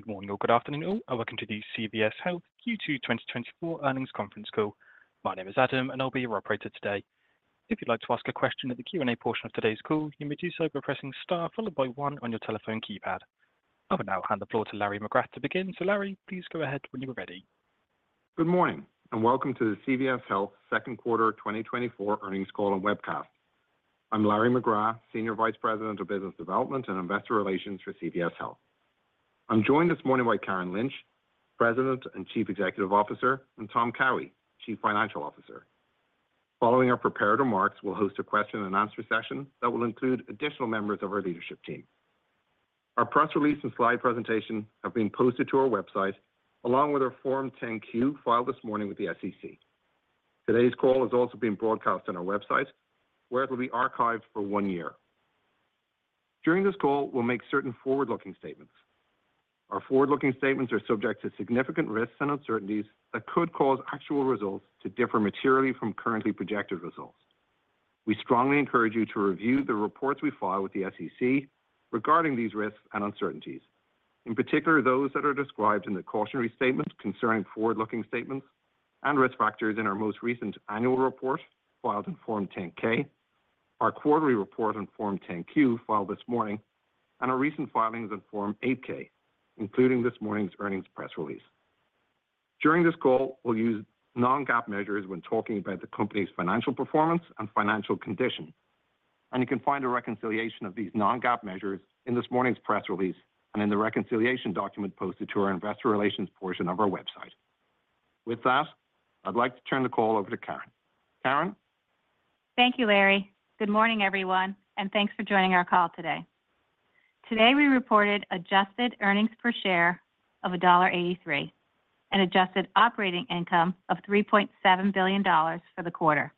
Good morning or good afternoon, all, and welcome to the CVS Health Q2 2024 Earnings Conference Call. My name is Adam, and I'll be your operator today. If you'd like to ask a question at the Q&A portion of today's call, you may do so by pressing star followed by one on your telephone keypad. I will now hand the floor to Larry McGrath to begin. Larry, please go ahead when you are ready. Good morning, and welcome to the CVS Health Q2 2024 Earnings Call and Webcast. I'm Larry McGrath, Senior Vice President of Business Development and Investor Relations for CVS Health. I'm joined this morning by Karen Lynch, President and Chief Executive Officer, and Tom Cowhey, Chief Financial Officer. Following our prepared remarks, we'll host a question and answer session that will include additional members of our leadership team. Our press release and slide presentation have been posted to our website, along with our Form 10-Q, filed this morning with the SEC. Today's call is also being broadcast on our website, where it will be archived for 1 year. During this call, we'll make certain forward-looking statements. Our forward-looking statements are subject to significant risks and uncertainties that could cause actual results to differ materially from currently projected results. We strongly encourage you to review the reports we file with the SEC regarding these risks and uncertainties, in particular, those that are described in the cautionary statements concerning forward-looking statements and risk factors in our most recent annual report, filed in Form 10-K, our quarterly report in Form 10-Q, filed this morning, and our recent filings in Form 8-K, including this morning's earnings press release. During this call, we'll use non-GAAP measures when talking about the company's financial performance and financial condition. You can find a reconciliation of these non-GAAP measures in this morning's press release and in the reconciliation document posted to our investor relations portion of our website. With that, I'd like to turn the call over to Karen. Karen? Thank you, Larry. Good morning, everyone, and thanks for joining our call today. Today, we reported adjusted earnings per share of $1.83 and adjusted operating income of $3.7 billion for the quarter.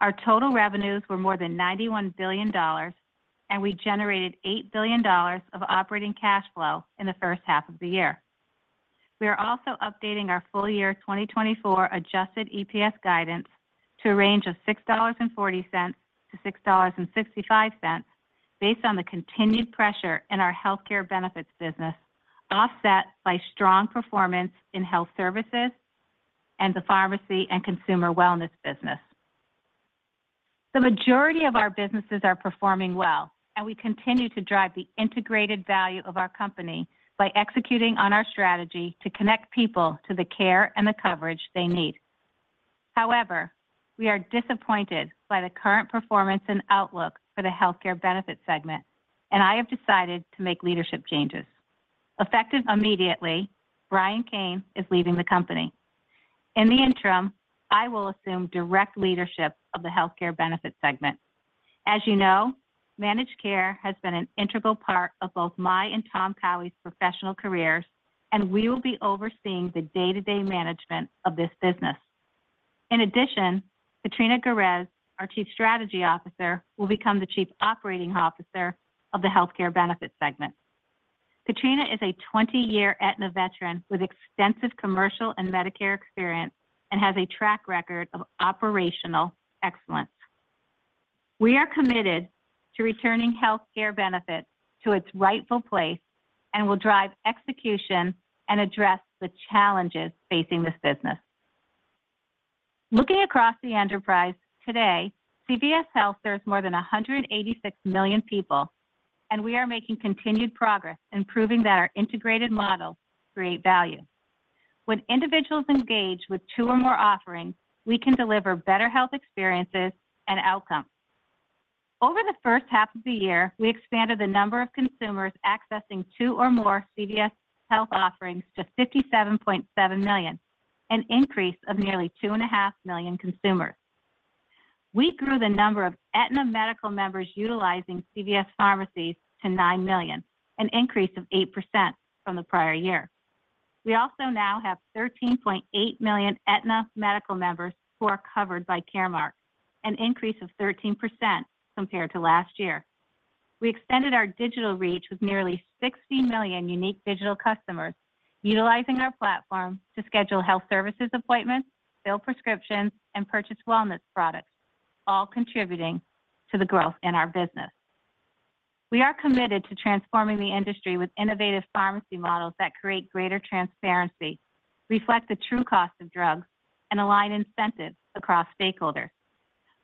Our total revenues were more than $91 billion, and we generated $8 billion of operating cash flow in the first half of the year. We are also updating our full year 2024 adjusted EPS guidance to a range of $6.40-$6.65, based on the continued pressure in our healthcare benefits business, offset by strong performance in health services and the pharmacy and consumer wellness business. The majority of our businesses are performing well, and we continue to drive the integrated value of our company by executing on our strategy to connect people to the care and the coverage they need. However, we are disappointed by the current performance and outlook for the Health Care Benefits segment, and I have decided to make leadership changes. Effective immediately, Brian Kane is leaving the company. In the interim, I will assume direct leadership of the Health Care Benefits segment. As you know, managed care has been an integral part of both my and Tom Cowhey's professional careers, and we will be overseeing the day-to-day management of this business. In addition, Katerina Guerraz, our Chief Strategy Officer, will become the Chief Operating Officer of the Health Care Benefits segment. Katerina is a 20-year Aetna veteran with extensive commercial and Medicare experience and has a track record of operational excellence. We are committed to returning Health Care Benefits to its rightful place and will drive execution and address the challenges facing this business. Looking across the enterprise today, CVS Health serves more than 186 million people, and we are making continued progress in proving that our integrated models create value. When individuals engage with two or more offerings, we can deliver better health experiences and outcomes. Over the first half of the year, we expanded the number of consumers accessing two or more CVS Health offerings to 57.7 million, an increase of nearly 2.5 million consumers. We grew the number of Aetna medical members utilizing CVS pharmacies to 9 million, an increase of 8% from the prior year. We also now have 13.8 million Aetna medical members who are covered by Caremark, an increase of 13% compared to last year. We extended our digital reach with nearly 60 million unique digital customers, utilizing our platform to schedule health services appointments, fill prescriptions, and purchase wellness products, all contributing to the growth in our business. We are committed to transforming the industry with innovative pharmacy models that create greater transparency, reflect the true cost of drugs, and align incentives across stakeholders.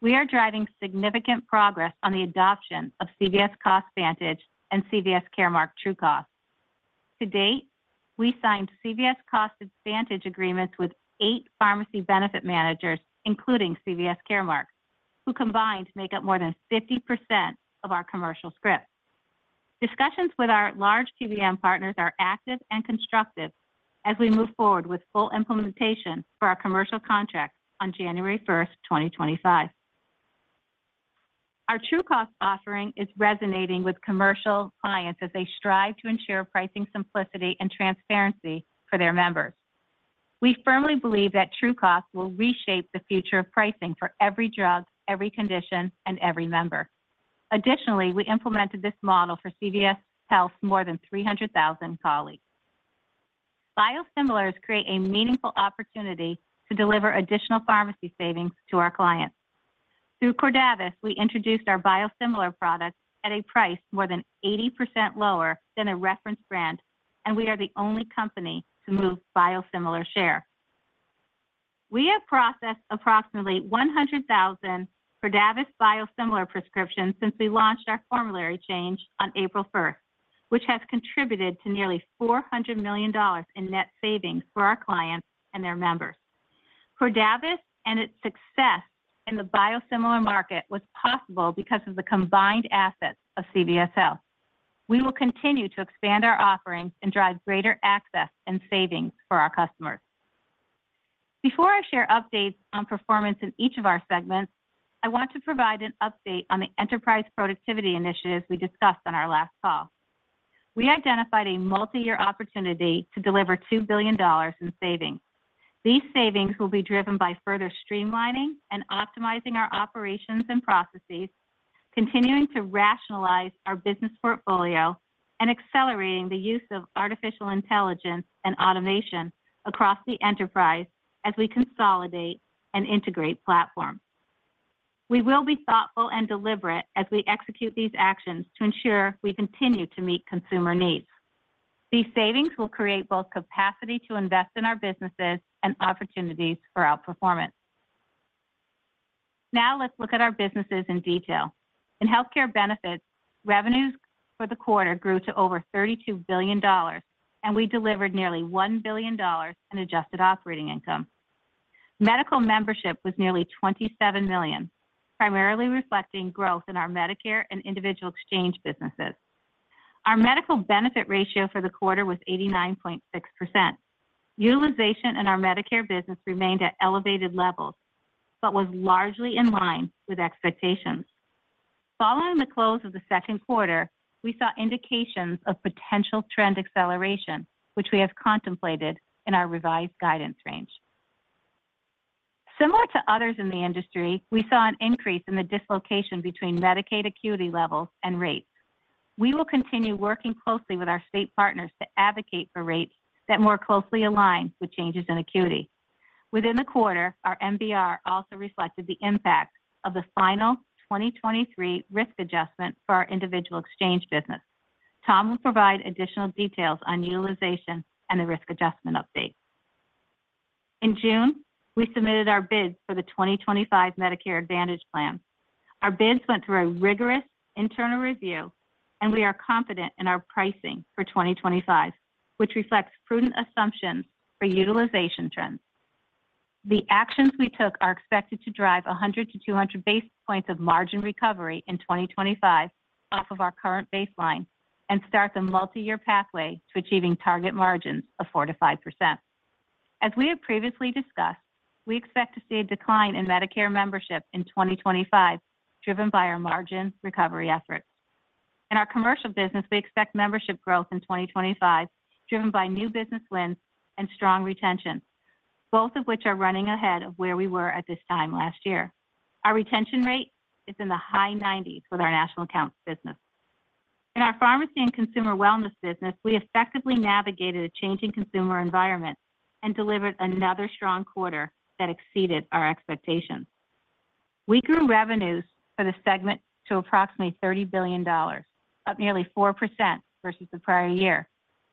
We are driving significant progress on the adoption of CVS CostVantage and CVS Caremark TrueCost. To date, we signed CVS CostVantage agreements with 8 pharmacy benefit managers, including CVS Caremark, who combined make up more than 50% of our commercial scripts. Discussions with our large PBM partners are active and constructive as we move forward with full implementation for our commercial contracts on January 1st, 2025. Our TrueCost offering is resonating with commercial clients as they strive to ensure pricing simplicity and transparency for their members. We firmly believe that TrueCost will reshape the future of pricing for every drug, every condition, and every member. Additionally, we implemented this model for CVS Health's more than 300,000 colleagues. Biosimilars create a meaningful opportunity to deliver additional pharmacy savings to our clients. Through Cordavis, we introduced our biosimilar products at a price more than 80% lower than a reference brand, and we are the only company to move biosimilar share. We have processed approximately 100,000 Cordavis biosimilar prescriptions since we launched our formulary change on April 1st, which has contributed to nearly $400 million in net savings for our clients and their members. Cordavis and its success in the biosimilar market was possible because of the combined assets of CVS Health. We will continue to expand our offerings and drive greater access and savings for our customers. Before I share updates on performance in each of our segments, I want to provide an update on the enterprise productivity initiatives we discussed on our last call. We identified a multiyear opportunity to deliver $2 billion in savings. These savings will be driven by further streamlining and optimizing our operations and processes, continuing to rationalize our business portfolio, and accelerating the use of artificial intelligence and automation across the enterprise as we consolidate and integrate platforms. We will be thoughtful and deliberate as we execute these actions to ensure we continue to meet consumer needs. These savings will create both capacity to invest in our businesses and opportunities for outperformance. Now let's look at our businesses in detail. In healthcare benefits, revenues for the quarter grew to over $32 billion, and we delivered nearly $1 billion in adjusted operating income. Medical membership was nearly 27 million, primarily reflecting growth in our Medicare and individual exchange businesses. Our medical benefit ratio for the quarter was 89.6%. Utilization in our Medicare business remained at elevated levels, but was largely in line with expectations. Following the close of the second quarter, we saw indications of potential trend acceleration, which we have contemplated in our revised guidance range. Similar to others in the industry, we saw an increase in the dislocation between Medicaid acuity levels and rates. We will continue working closely with our state partners to advocate for rates that more closely align with changes in acuity. Within the quarter, our MBR also reflected the impact of the final 2023 risk adjustment for our individual exchange business. Tom will provide additional details on utilization and the risk adjustment update. In June, we submitted our bids for the 2025 Medicare Advantage plan. Our bids went through a rigorous internal review, and we are confident in our pricing for 2025, which reflects prudent assumptions for utilization trends. The actions we took are expected to drive 100 basis points-200 basis points of margin recovery in 2025 off of our current baseline and start the multiyear pathway to achieving target margins of 4%-5%. As we have previously discussed, we expect to see a decline in Medicare membership in 2025, driven by our margin recovery efforts. In our commercial business, we expect membership growth in 2025, driven by new business wins and strong retention, both of which are running ahead of where we were at this time last year. Our retention rate is in the high 90s with our national accounts business. In our pharmacy and consumer wellness business, we effectively navigated a changing consumer environment and delivered another strong quarter that exceeded our expectations. We grew revenues for the segment to approximately $30 billion, up nearly 4% versus the prior year,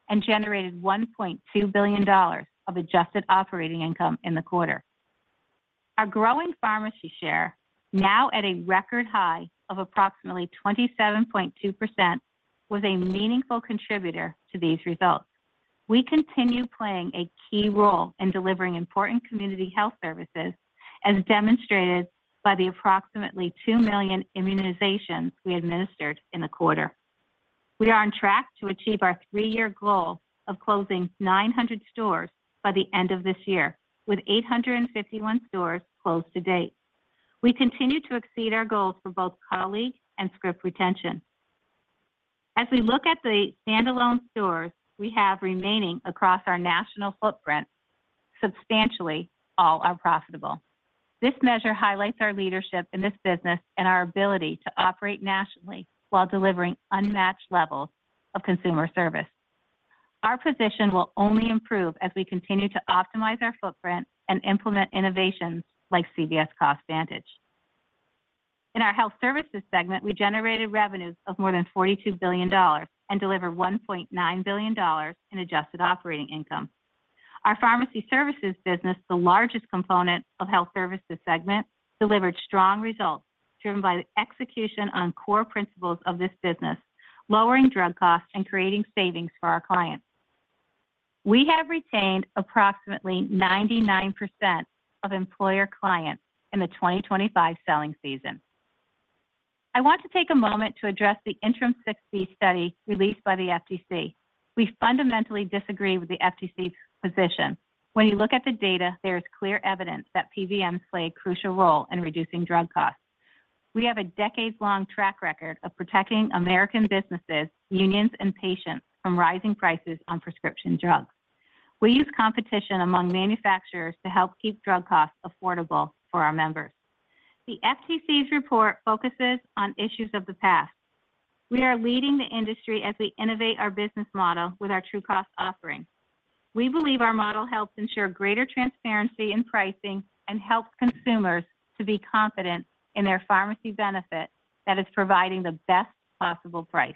and generated $1.2 billion of adjusted operating income in the quarter. Our growing pharmacy share, now at a record high of approximately 27.2%, was a meaningful contributor to these results. We continue playing a key role in delivering important community health services, as demonstrated by the approximately two million immunizations we administered in the quarter. We are on track to achieve our three-year goal of closing 900 stores by the end of this year, with 851 stores closed to date. We continue to exceed our goals for both colleague and script retention. As we look at the standalone stores we have remaining across our national footprint, substantially all are profitable. This measure highlights our leadership in this business and our ability to operate nationally while delivering unmatched levels of consumer service. Our position will only improve as we continue to optimize our footprint and implement innovations like CVS CostVantage. In our health services segment, we generated revenues of more than $42 billion and delivered $1.9 billion in adjusted operating income. Our pharmacy services business, the largest component of health services segment, delivered strong results driven by the execution on core principles of this business, lowering drug costs and creating savings for our clients. We have retained approximately 99% of employer clients in the 2025 selling season. I want to take a moment to address the interim 6(b) study released by the FTC. We fundamentally disagree with the FTC's position. When you look at the data, there is clear evidence that PBMs play a crucial role in reducing drug costs. We have a decades-long track record of protecting American businesses, unions, and patients from rising prices on prescription drugs. We use competition among manufacturers to help keep drug costs affordable for our members. The FTC's report focuses on issues of the past. We are leading the industry as we innovate our business model with our TrueCost offering. We believe our model helps ensure greater transparency in pricing and helps consumers to be confident in their pharmacy benefit that is providing the best possible price.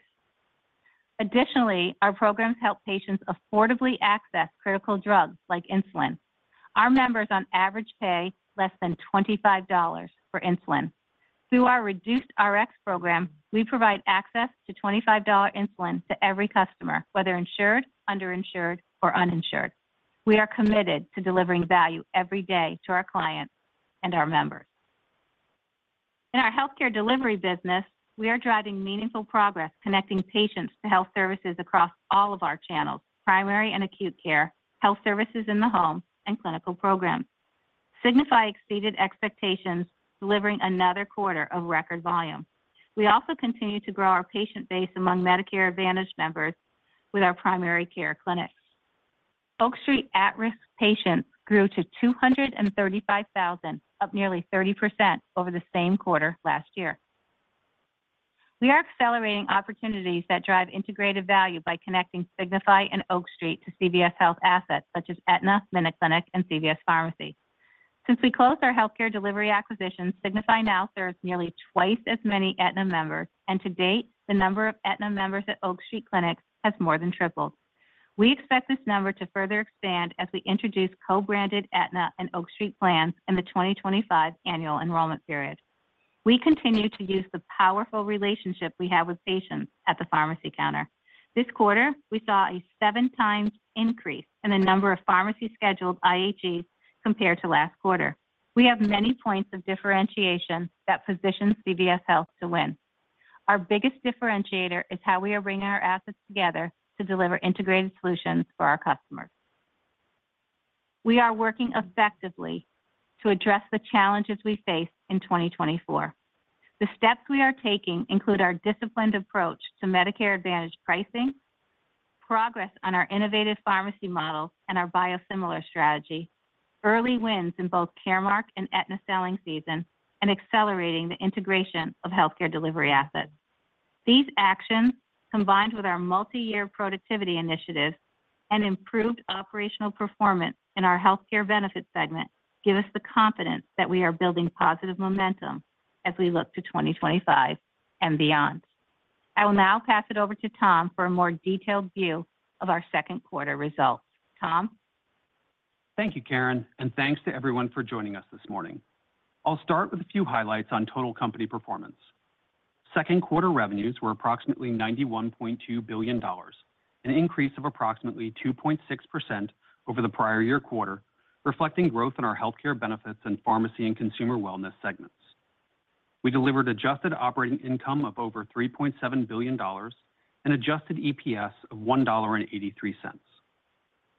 Additionally, our programs help patients affordably access critical drugs like insulin. Our members, on average, pay less than $25 for insulin. Through our Reduced Rx program, we provide access to $25 insulin to every customer, whether insured, underinsured, or uninsured. We are committed to delivering value every day to our clients and our members. In our healthcare delivery business, we are driving meaningful progress, connecting patients to health services across all of our channels, primary and acute care, health services in the home, and clinical programs. Signify exceeded expectations, delivering another quarter of record volume. We also continue to grow our patient base among Medicare Advantage members with our primary care clinics. Oak Street at-risk patients grew to 235,000, up nearly 30% over the same quarter last year. We are accelerating opportunities that drive integrated value by connecting Signify and Oak Street to CVS Health assets such as Aetna, MinuteClinic, and CVS Pharmacy. Since we closed our healthcare delivery acquisition, Signify now serves nearly twice as many Aetna members, and to date, the number of Aetna members at Oak Street clinic has more than tripled. We expect this number to further expand as we introduce co-branded Aetna and Oak Street plans in the 2025 annual enrollment period. We continue to use the powerful relationship we have with patients at the pharmacy counter. This quarter, we saw a seven times increase in the number of pharmacy scheduled IAGs compared to last quarter. We have many points of differentiation that position CVS Health to win. Our biggest differentiator is how we are bringing our assets together to deliver integrated solutions for our customers. We are working effectively to address the challenges we face in 2024. The steps we are taking include our disciplined approach to Medicare Advantage pricing, progress on our innovative pharmacy model and our biosimilar strategy, early wins in both Caremark and Aetna selling season, and accelerating the integration of healthcare delivery assets. These actions, combined with our multi-year productivity initiatives and improved operational performance in our healthcare benefits segment, give us the confidence that we are building positive momentum as we look to 2025 and beyond. I will now pass it over to Tom for a more detailed view of our second quarter results. Tom? Thank you, Karen, and thanks to everyone for joining us this morning. I'll start with a few highlights on total company performance. Second quarter revenues were approximately $91.2 billion, an increase of approximately 2.6% over the prior year quarter, reflecting growth in our healthcare benefits and pharmacy and consumer wellness segments. We delivered adjusted operating income of over $3.7 billion and adjusted EPS of $1.83.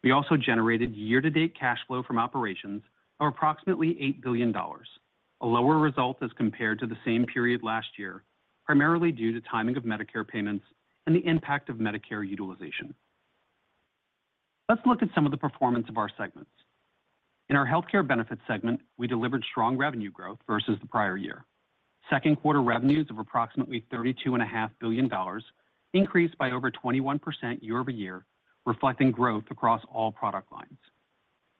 We also generated year-to-date cash flow from operations of approximately $8 billion, a lower result as compared to the same period last year, primarily due to timing of Medicare payments and the impact of Medicare utilization. Let's look at some of the performance of our segments. In our healthcare benefits segment, we delivered strong revenue growth versus the prior year. Second quarter revenues of approximately $32.5 billion increased by over 21% year-over-year, reflecting growth across all product lines.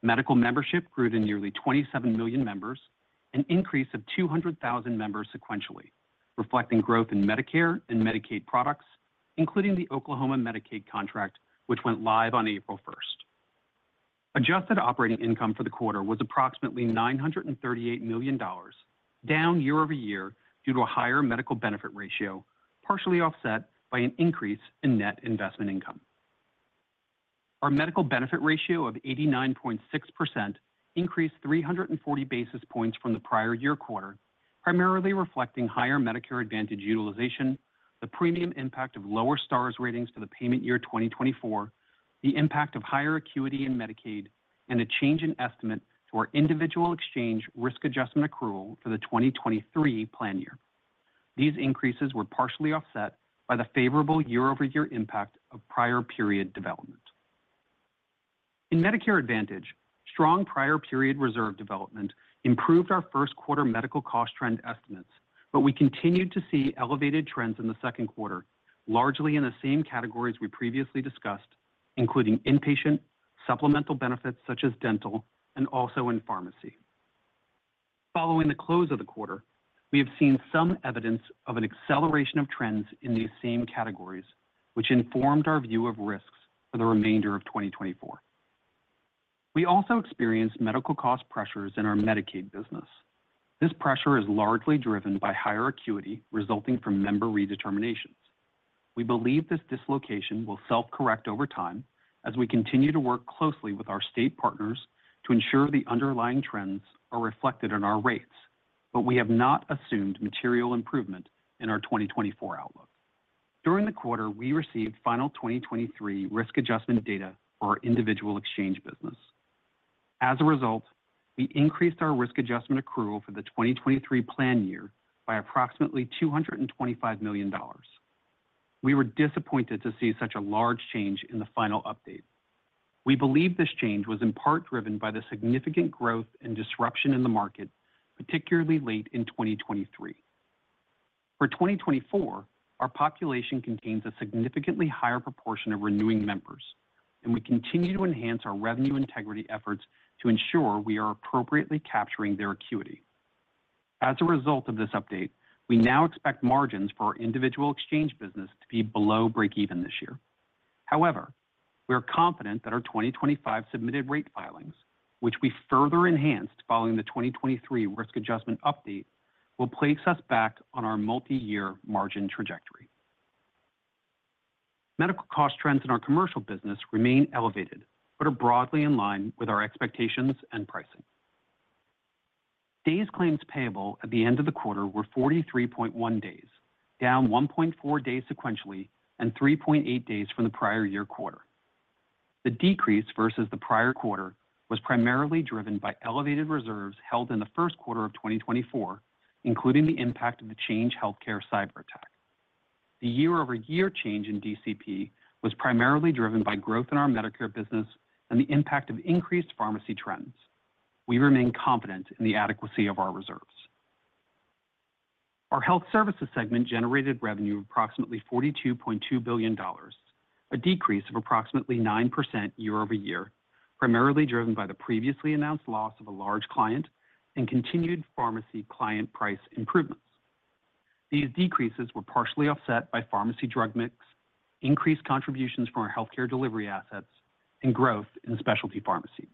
Medical membership grew to nearly 27 million members, an increase of 200,000 members sequentially, reflecting growth in Medicare and Medicaid products, including the Oklahoma Medicaid contract, which went live on April 1st. Adjusted operating income for the quarter was approximately $938 million, down year-over-year, due to a higher medical benefit ratio, partially offset by an increase in net investment income. Our medical benefit ratio of 89.6% increased 340 basis points from the prior year quarter, primarily reflecting higher Medicare Advantage utilization, the premium impact of lower Star Ratings for the payment year 2024, the impact of higher acuity in Medicaid, and a change in estimate to our individual exchange risk adjustment accrual for the 2023 plan year. These increases were partially offset by the favorable year-over-year impact of prior period development. In Medicare Advantage, strong prior period reserve development improved our first quarter medical cost trend estimates, but we continued to see elevated trends in the second quarter, largely in the same categories we previously discussed, including inpatient, supplemental benefits such as dental, and also in pharmacy. Following the close of the quarter, we have seen some evidence of an acceleration of trends in these same categories, which informed our view of risks for the remainder of 2024. We also experienced medical cost pressures in our Medicaid business. This pressure is largely driven by higher acuity resulting from member redeterminations. We believe this dislocation will self-correct over time as we continue to work closely with our state partners to ensure the underlying trends are reflected in our rates, but we have not assumed material improvement in our 2024 outlook. During the quarter, we received final 2023 risk adjustment data for our individual exchange business. As a result, we increased our risk adjustment accrual for the 2023 plan year by approximately $225 million. We were disappointed to see such a large change in the final update. We believe this change was in part driven by the significant growth and disruption in the market, particularly late in 2023. For 2024, our population contains a significantly higher proportion of renewing members, and we continue to enhance our revenue integrity efforts to ensure we are appropriately capturing their acuity. As a result of this update, we now expect margins for our individual exchange business to be below breakeven this year. However, we are confident that our 2025 submitted rate filings, which we further enhanced following the 2023 risk adjustment update, will place us back on our multiyear margin trajectory. Medical cost trends in our commercial business remain elevated, but are broadly in line with our expectations and pricing. Days claims payable at the end of the quarter were 43.1 days, down 1.4 days sequentially, and 3.8 days from the prior year quarter. The decrease versus the prior quarter was primarily driven by elevated reserves held in the first quarter of 2024, including the impact of the Change Healthcare cyberattack. The year-over-year change in DCP was primarily driven by growth in our Medicare business and the impact of increased pharmacy trends. We remain confident in the adequacy of our reserves. Our health services segment generated revenue of approximately $42.2 billion, a decrease of approximately 9% year-over-year, primarily driven by the previously announced loss of a large client and continued pharmacy client price improvements. These decreases were partially offset by pharmacy drug mix, increased contributions from our healthcare delivery assets, and growth in specialty pharmacy.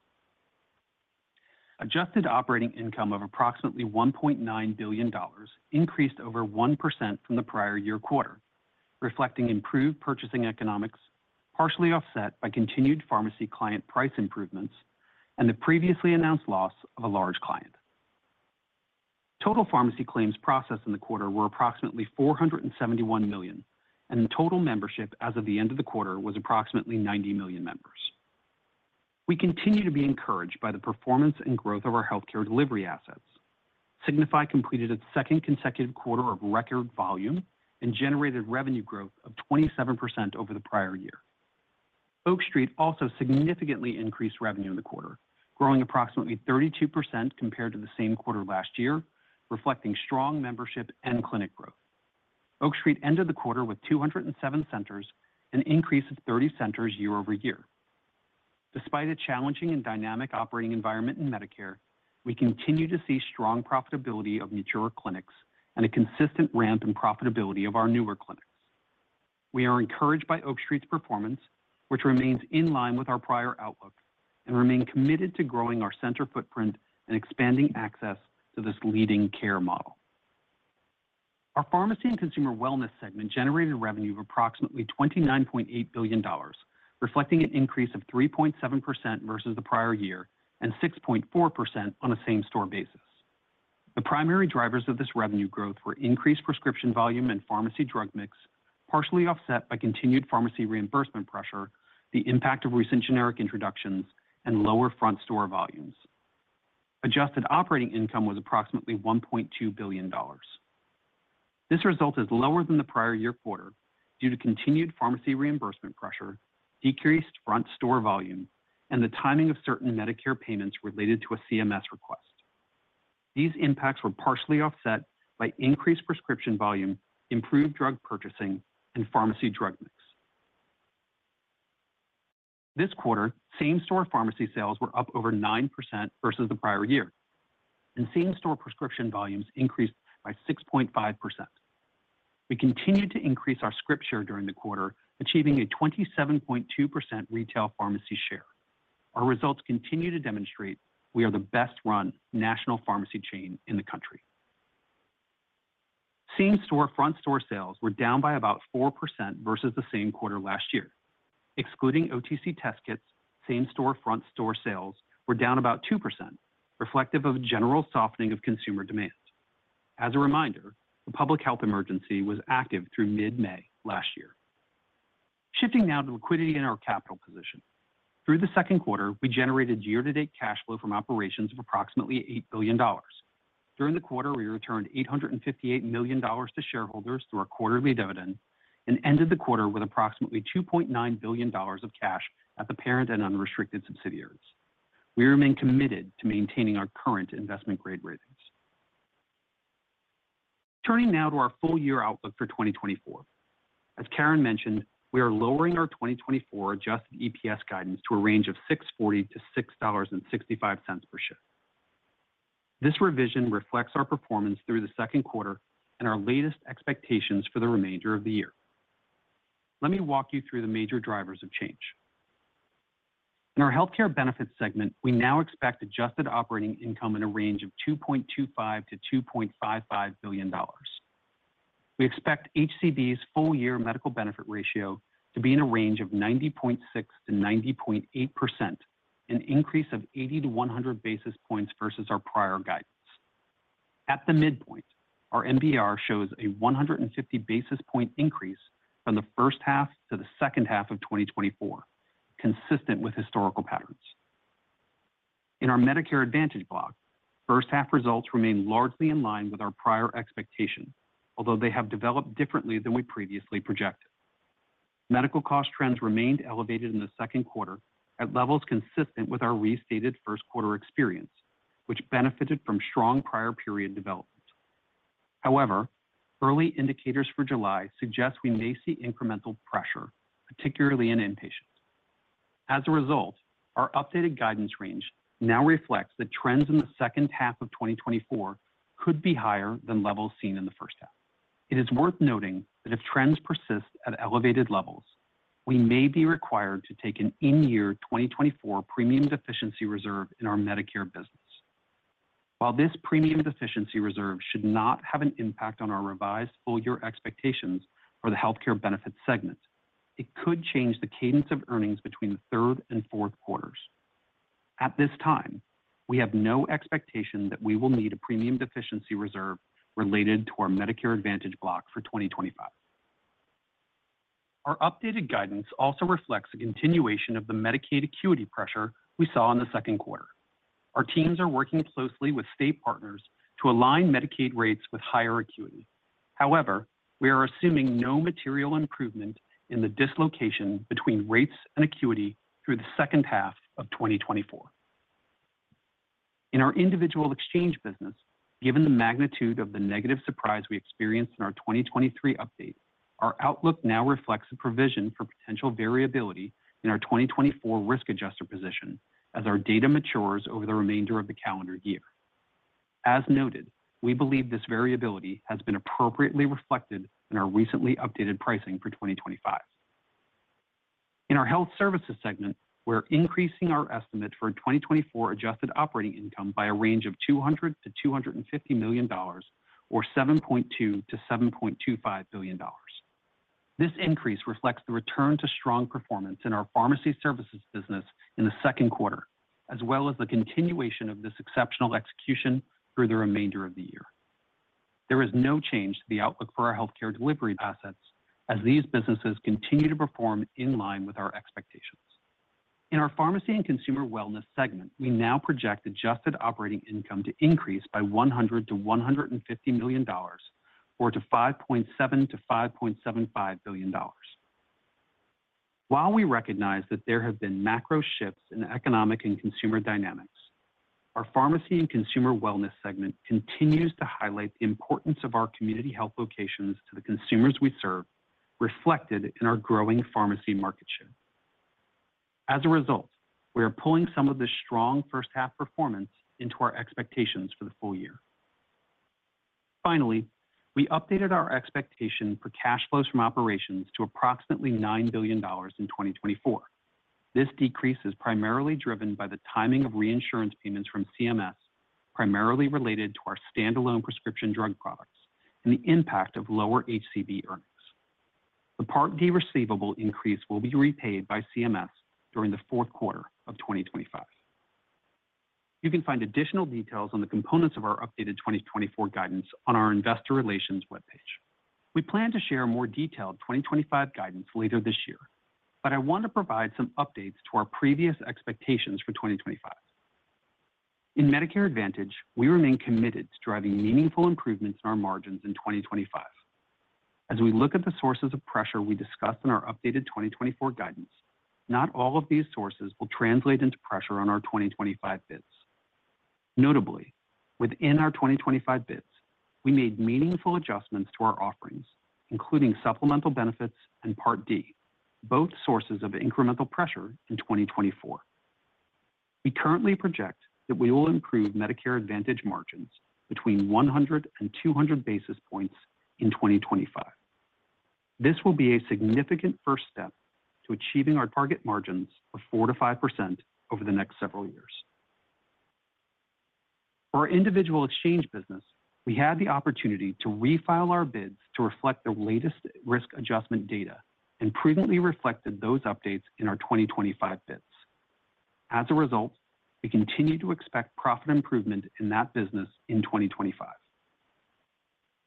Adjusted operating income of approximately $1.9 billion increased over 1% from the prior year quarter, reflecting improved purchasing economics, partially offset by continued pharmacy client price improvements and the previously announced loss of a large client. Total pharmacy claims processed in the quarter were approximately 471 million, and the total membership as of the end of the quarter was approximately 90 million members. We continue to be encouraged by the performance and growth of our healthcare delivery assets. Signify completed its second consecutive quarter of record volume and generated revenue growth of 27% over the prior year. Oak Street also significantly increased revenue in the quarter, growing approximately 32% compared to the same quarter last year, reflecting strong membership and clinic growth. Oak Street ended the quarter with 207 centers, an increase of 30 centers year-over-year. Despite a challenging and dynamic operating environment in Medicare, we continue to see strong profitability of mature clinics and a consistent ramp in profitability of our newer clinics. We are encouraged by Oak Street's performance, which remains in line with our prior outlook, and remain committed to growing our center footprint and expanding access to this leading care model. Our pharmacy and consumer wellness segment generated revenue of approximately $29.8 billion, reflecting an increase of 3.7% versus the prior year and 6.4% on a same-store basis. The primary drivers of this revenue growth were increased prescription volume and pharmacy drug mix, partially offset by continued pharmacy reimbursement pressure, the impact of recent generic introductions, and lower front store volumes. Adjusted operating income was approximately $1.2 billion. This result is lower than the prior year quarter due to continued pharmacy reimbursement pressure, decreased front store volume, and the timing of certain Medicare payments related to a CMS request. These impacts were partially offset by increased prescription volume, improved drug purchasing, and pharmacy drug mix. This quarter, same-store pharmacy sales were up over 9% versus the prior year, and same-store prescription volumes increased by 6.5%. We continued to increase our script share during the quarter, achieving a 27.2% retail pharmacy share. Our results continue to demonstrate we are the best-run national pharmacy chain in the country. Same-store front-store sales were down by about 4% versus the same quarter last year. Excluding OTC test kits, same-store front-store sales were down about 2%, reflective of a general softening of consumer demand. As a reminder, the public health emergency was active through mid-May last year. Shifting now to liquidity in our capital position. Through the second quarter, we generated year-to-date cash flow from operations of approximately $8 billion. During the quarter, we returned $858 million to shareholders through our quarterly dividend and ended the quarter with approximately $2.9 billion of cash at the parent and unrestricted subsidiaries. We remain committed to maintaining our current investment grade ratings. Turning now to our full year outlook for 2024. As Karen mentioned, we are lowering our 2024 adjusted EPS guidance to a range of $6.40-$6.65 per share. This revision reflects our performance through the second quarter and our latest expectations for the remainder of the year. Let me walk you through the major drivers of change. In our healthcare benefits segment, we now expect adjusted operating income in a range of $2.25 billion-$2.55 billion. We expect HCB's full year medical benefit ratio to be in a range of 90.6%-90.8%, an increase of 80-100 basis points versus our prior guidance. At the midpoint, our MBR shows a 150 basis point increase from the first half to the second half of 2024, consistent with historical patterns. In our Medicare Advantage block, first half results remain largely in line with our prior expectations, although they have developed differently than we previously projected. Medical cost trends remained elevated in the second quarter at levels consistent with our restated first quarter experience, which benefited from strong prior period development. However, early indicators for July suggest we may see incremental pressure, particularly in inpatients. As a result, our updated guidance range now reflects that trends in the second half of 2024 could be higher than levels seen in the first half. It is worth noting that if trends persist at elevated levels, we may be required to take an in-year 2024 premium deficiency reserve in our Medicare business. While this premium deficiency reserve should not have an impact on our revised full year expectations for the healthcare benefits segment, it could change the cadence of earnings between the third and fourth quarters. At this time, we have no expectation that we will need a premium deficiency reserve related to our Medicare Advantage block for 2025. Our updated guidance also reflects a continuation of the Medicaid acuity pressure we saw in the second quarter. Our teams are working closely with state partners to align Medicaid rates with higher acuity. However, we are assuming no material improvement in the dislocation between rates and acuity through the second half of 2024. In our individual exchange business, given the magnitude of the negative surprise we experienced in our 2023 update, our outlook now reflects a provision for potential variability in our 2024 risk adjuster position as our data matures over the remainder of the calendar year. As noted, we believe this variability has been appropriately reflected in our recently updated pricing for 2025. In our health services segment, we're increasing our estimate for 2024 adjusted operating income by a range of $200 million-$250 million, or $7.2 billion-$7.25 billion. This increase reflects the return to strong performance in our pharmacy services business in the second quarter, as well as the continuation of this exceptional execution through the remainder of the year. There is no change to the outlook for our healthcare delivery assets as these businesses continue to perform in line with our expectations. In our pharmacy and consumer wellness segment, we now project adjusted operating income to increase by $100 million-$150 million or to $5.7 billion-$5.75 billion. While we recognize that there have been macro shifts in economic and consumer dynamics, our pharmacy and consumer wellness segment continues to highlight the importance of our community health locations to the consumers we serve, reflected in our growing pharmacy market share. As a result, we are pulling some of the strong first half performance into our expectations for the full year. Finally, we updated our expectation for cash flows from operations to approximately $9 billion in 2024. This decrease is primarily driven by the timing of reinsurance payments from CMS, primarily related to our standalone prescription drug products and the impact of lower HCB earnings. The Part D receivable increase will be repaid by CMS during the fourth quarter of 2025. You can find additional details on the components of our updated 2024 guidance on our investor relations webpage. We plan to share more detailed 2025 guidance later this year, but I want to provide some updates to our previous expectations for 2025. In Medicare Advantage, we remain committed to driving meaningful improvements in our margins in 2025. As we look at the sources of pressure we discussed in our updated 2024 guidance, not all of these sources will translate into pressure on our 2025 bids. Notably, within our 2025 bids, we made meaningful adjustments to our offerings, including supplemental benefits and Part D, both sources of incremental pressure in 2024. We currently project that we will improve Medicare Advantage margins between 100 and 200 basis points in 2025. This will be a significant first step to achieving our target margins of 4%-5% over the next several years. For our individual exchange business, we had the opportunity to refile our bids to reflect the latest risk adjustment data and prudently reflected those updates in our 2025 bids. As a result, we continue to expect profit improvement in that business in 2025.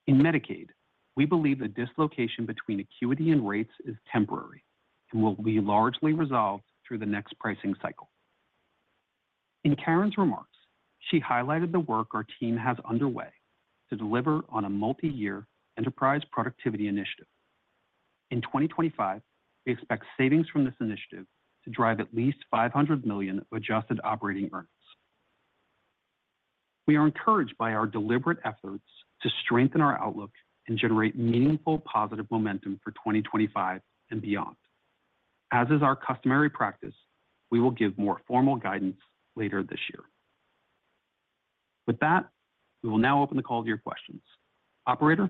In Medicaid, we believe the dislocation between acuity and rates is temporary and will be largely resolved through the next pricing cycle. In Karen's remarks, she highlighted the work our team has underway to deliver on a multi-year enterprise productivity initiative. In 2025, we expect savings from this initiative to drive at least $500 million of adjusted operating earnings. We are encouraged by our deliberate efforts to strengthen our outlook and generate meaningful positive momentum for 2025 and beyond. As is our customary practice, we will give more formal guidance later this year. With that, we will now open the call to your questions. Operator?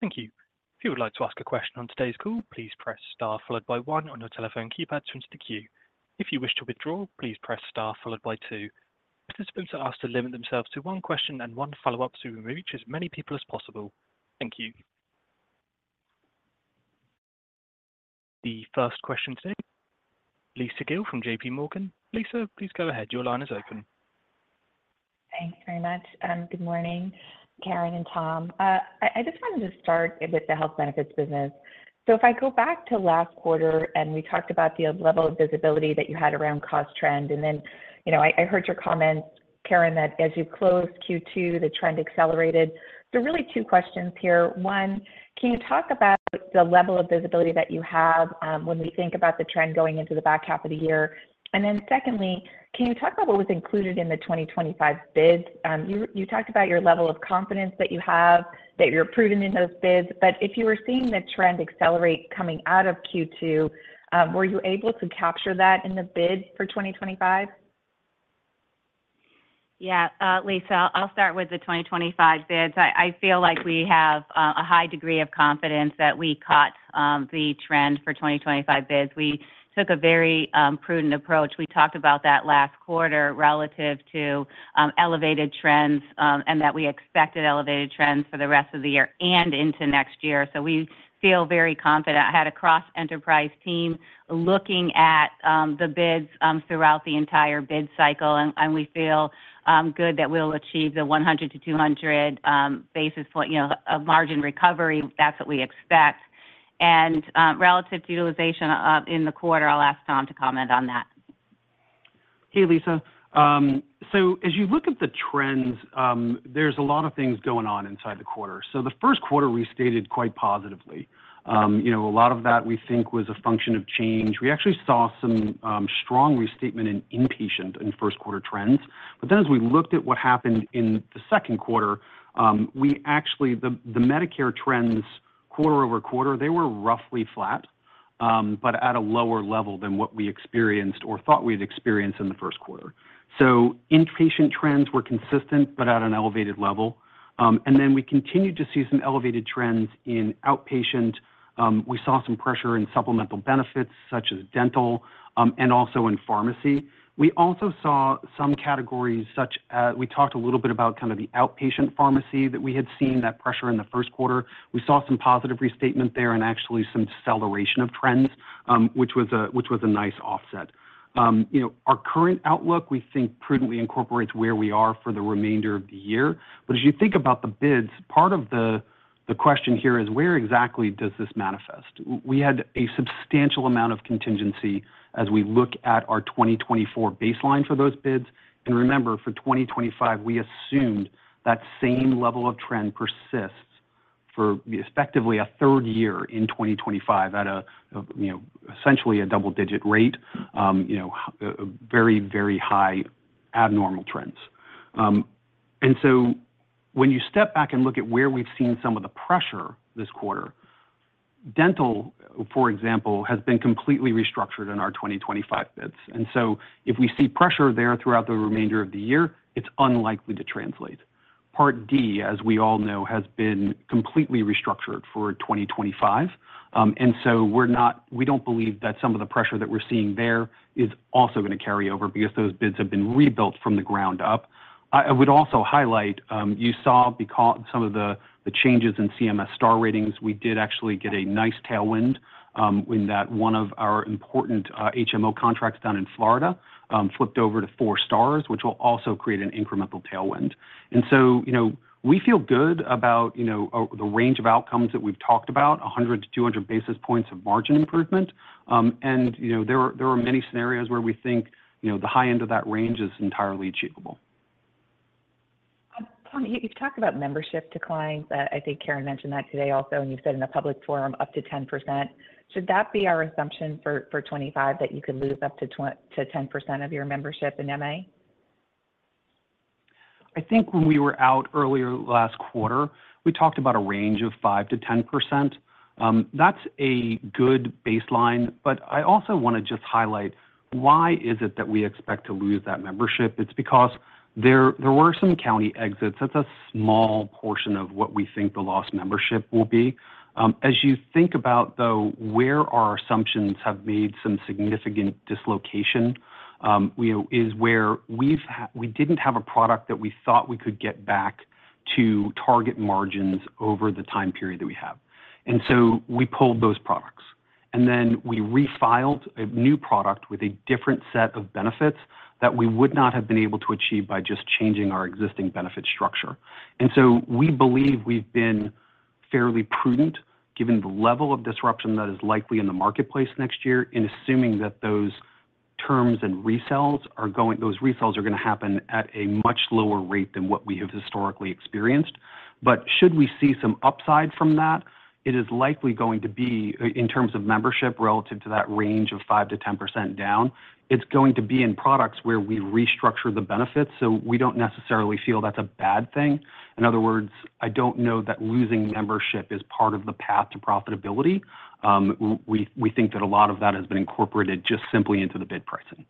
Thank you. If you would like to ask a question on today's call, please press star followed by one on your telephone keypad to enter the queue. If you wish to withdraw, please press star followed by two. Participants are asked to limit themselves to one question and one follow-up so we can reach as many people as possible. Thank you. The first question today, Lisa Gill from JPMorgan. Lisa, please go ahead. Your line is open. Thank you very much. Good morning, Karen and Tom. I just wanted to start with the health benefits business. If I go back to last quarter, and we talked about the level of visibility that you had around cost trend, and then, you know, I heard your comments, Karen, that as you closed Q2, the trend accelerated. So really two questions here. One, can you talk about the level of visibility that you have, when we think about the trend going into the back half of the year? Secondly, can you talk about what was included in the 2025 bid? You talked about your level of confidence that you have, that you're prudent in those bids, but if you were seeing the trend accelerate coming out of Q2, were you able to capture that in the bid for 2025? Lisa, I'll start with the 2025 bids. I feel like we have a high degree of confidence that we caught the trend for 2025 bids. We took a very prudent approach. We talked about that last quarter relative to elevated trends, and that we expected elevated trends for the rest of the year and into next year. We feel very confident. I had a cross-enterprise team looking at the bids throughout the entire bid cycle, and we feel good that we'll achieve the 100-200 basis point, you know, of margin recovery. That's what we expect. And relative to utilization in the quarter, I'll ask Tom to comment on that. Hey, Lisa. As you look at the trends, there's a lot of things going on inside the quarter. The first quarter, we stated quite positively. You know, a lot of that we think was a function of change. We actually saw some strong restatement in inpatient in first quarter trends. As we looked at what happened in the second quarter, we actually, the Medicare trends quarter-over-quarter they were roughly flat, but at a lower level than what we experienced or thought we'd experienced in the first quarter. Inpatient trends were consistent, but at an elevated level. We continued to see some elevated trends in outpatient. We saw some pressure in supplemental benefits, such as dental, and also in pharmacy. We also saw some categories such as, we talked a little bit about kind of the outpatient pharmacy, that we had seen that pressure in the first quarter. We saw some positive restatement there and actually some acceleration of trends, which was a nice offset. You know, our current outlook, we think, prudently incorporates where we are for the remainder of the year. As you think about the bids, part of the question here is, where exactly does this manifest? We had a substantial amount of contingency as we look at our 2024 baseline for those bids. And remember, for 2025, we assumed that same level of trend persists for effectively a third year in 2025 at a you know, essentially a double-digit rate, very, very high abnormal trends. When you step back and look at where we've seen some of the pressure this quarter, dental, for example, has been completely restructured in our 2025 bids, and so if we see pressure there throughout the remainder of the year, it's unlikely to translate. Part D, as we all know, has been completely restructured for 2025. We don't believe that some of the pressure that we're seeing there is also going to carry over because those bids have been rebuilt from the ground up. I would also highlight, you saw some of the changes in CMS star ratings. We did actually get a nice tailwind, in that one of our important HMO contracts down in Florida flipped over to four stars, which will also create an incremental tailwind. You know, we feel good about, you know, the range of outcomes that we've talked about, 100-200 basis points of margin improvement. You know, there are many scenarios where we think, you know, the high end of that range is entirely achievable. Tom, you talked about membership declines. I think Karen mentioned that today also, and you've said in a public forum, up to 10%. Should that be our assumption for 2025, that you could lose up to 10% of your membership in MA? I think when we were out earlier last quarter, we talked about a range of 5%-10%. That's a good baseline, but I also want to just highlight why is it that we expect to lose that membership? It's because there were some county exits. That's a small portion of what we think the lost membership will be. As you think about, though, where our assumptions have made some significant dislocation, we know is where we didn't have a product that we thought we could get back to target margins over the time period that we have. And so we pulled those products, and then we refiled a new product with a different set of benefits that we would not have been able to achieve by just changing our existing benefit structure. We believe we've been fairly prudent, given the level of disruption that is likely in the marketplace next year, in assuming that those terms and resells are going those resells are going to happen at a much lower rate than what we have historically experienced. Should we see some upside from that, it is likely going to be in terms of membership relative to that range of 5%-10% down, it's going to be in products where we restructure the benefits, so we don't necessarily feel that's a bad thing. In other words, I don't know that losing membership is part of the path to profitability. We think that a lot of that has been incorporated just simply into the bid pricing.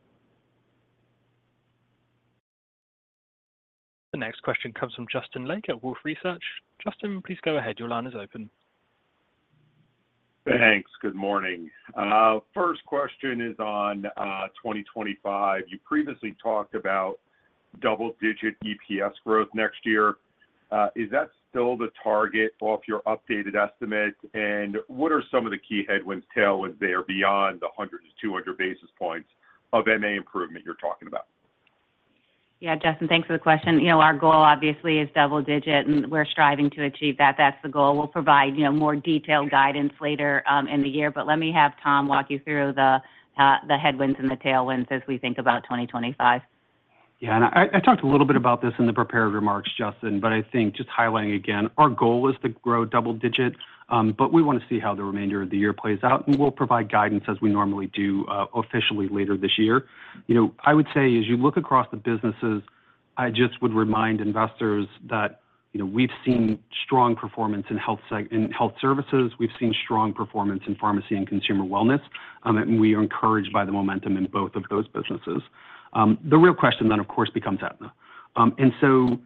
The next question comes from Justin Lake at Wolfe Research. Justin, please go ahead. Your line is open. Thanks. Good morning. First question is on 2025. You previously talked about double-digit EPS growth next year, is that still the target off your updated estimate? What are some of the key headwinds, tailwinds there beyond the 100-200 basis points of MA improvement you're talking about? Justin, thanks for the question. You know, our goal obviously is double digit, and we're striving to achieve that. That's the goal. We'll provide, you know, more detailed guidance later in the year, but let me have Tom walk you through the headwinds and the tailwinds as we think about 2025. I talked a little bit about this in the prepared remarks, Justin, but I think just highlighting again, our goal is to grow double digits, but we want to see how the remainder of the year plays out, and we'll provide guidance as we normally do, officially later this year. You know, I would say as you look across the businesses, I just would remind investors that, you know, we've seen strong performance in health services, we've seen strong performance in pharmacy and consumer wellness, and we are encouraged by the momentum in both of those businesses. The real question then, of course, becomes Aetna. And so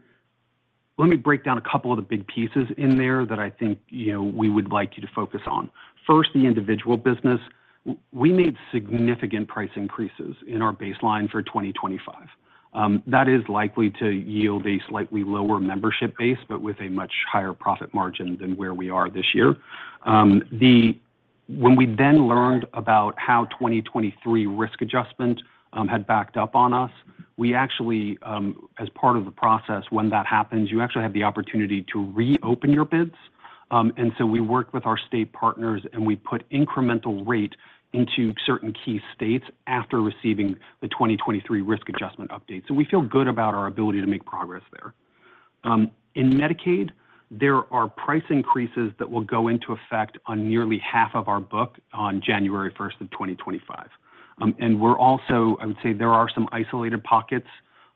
let me break down a couple of the big pieces in there that I think, you know, we would like you to focus on. First, the individual business. We made significant price increases in our baseline for 2025. That is likely to yield a slightly lower membership base, but with a much higher profit margin than where we are this year. When we then learned about how 2023 risk adjustment had backed up on us, we actually, as part of the process, when that happens, you actually have the opportunity to reopen your bids. We worked with our state partners, and we put incremental rate into certain key states after receiving the 2023 risk adjustment update. So we feel good about our ability to make progress there. In Medicaid, there are price increases that will go into effect on nearly half of our book on January 1st of 2025. We're also, I would say, there are some isolated pockets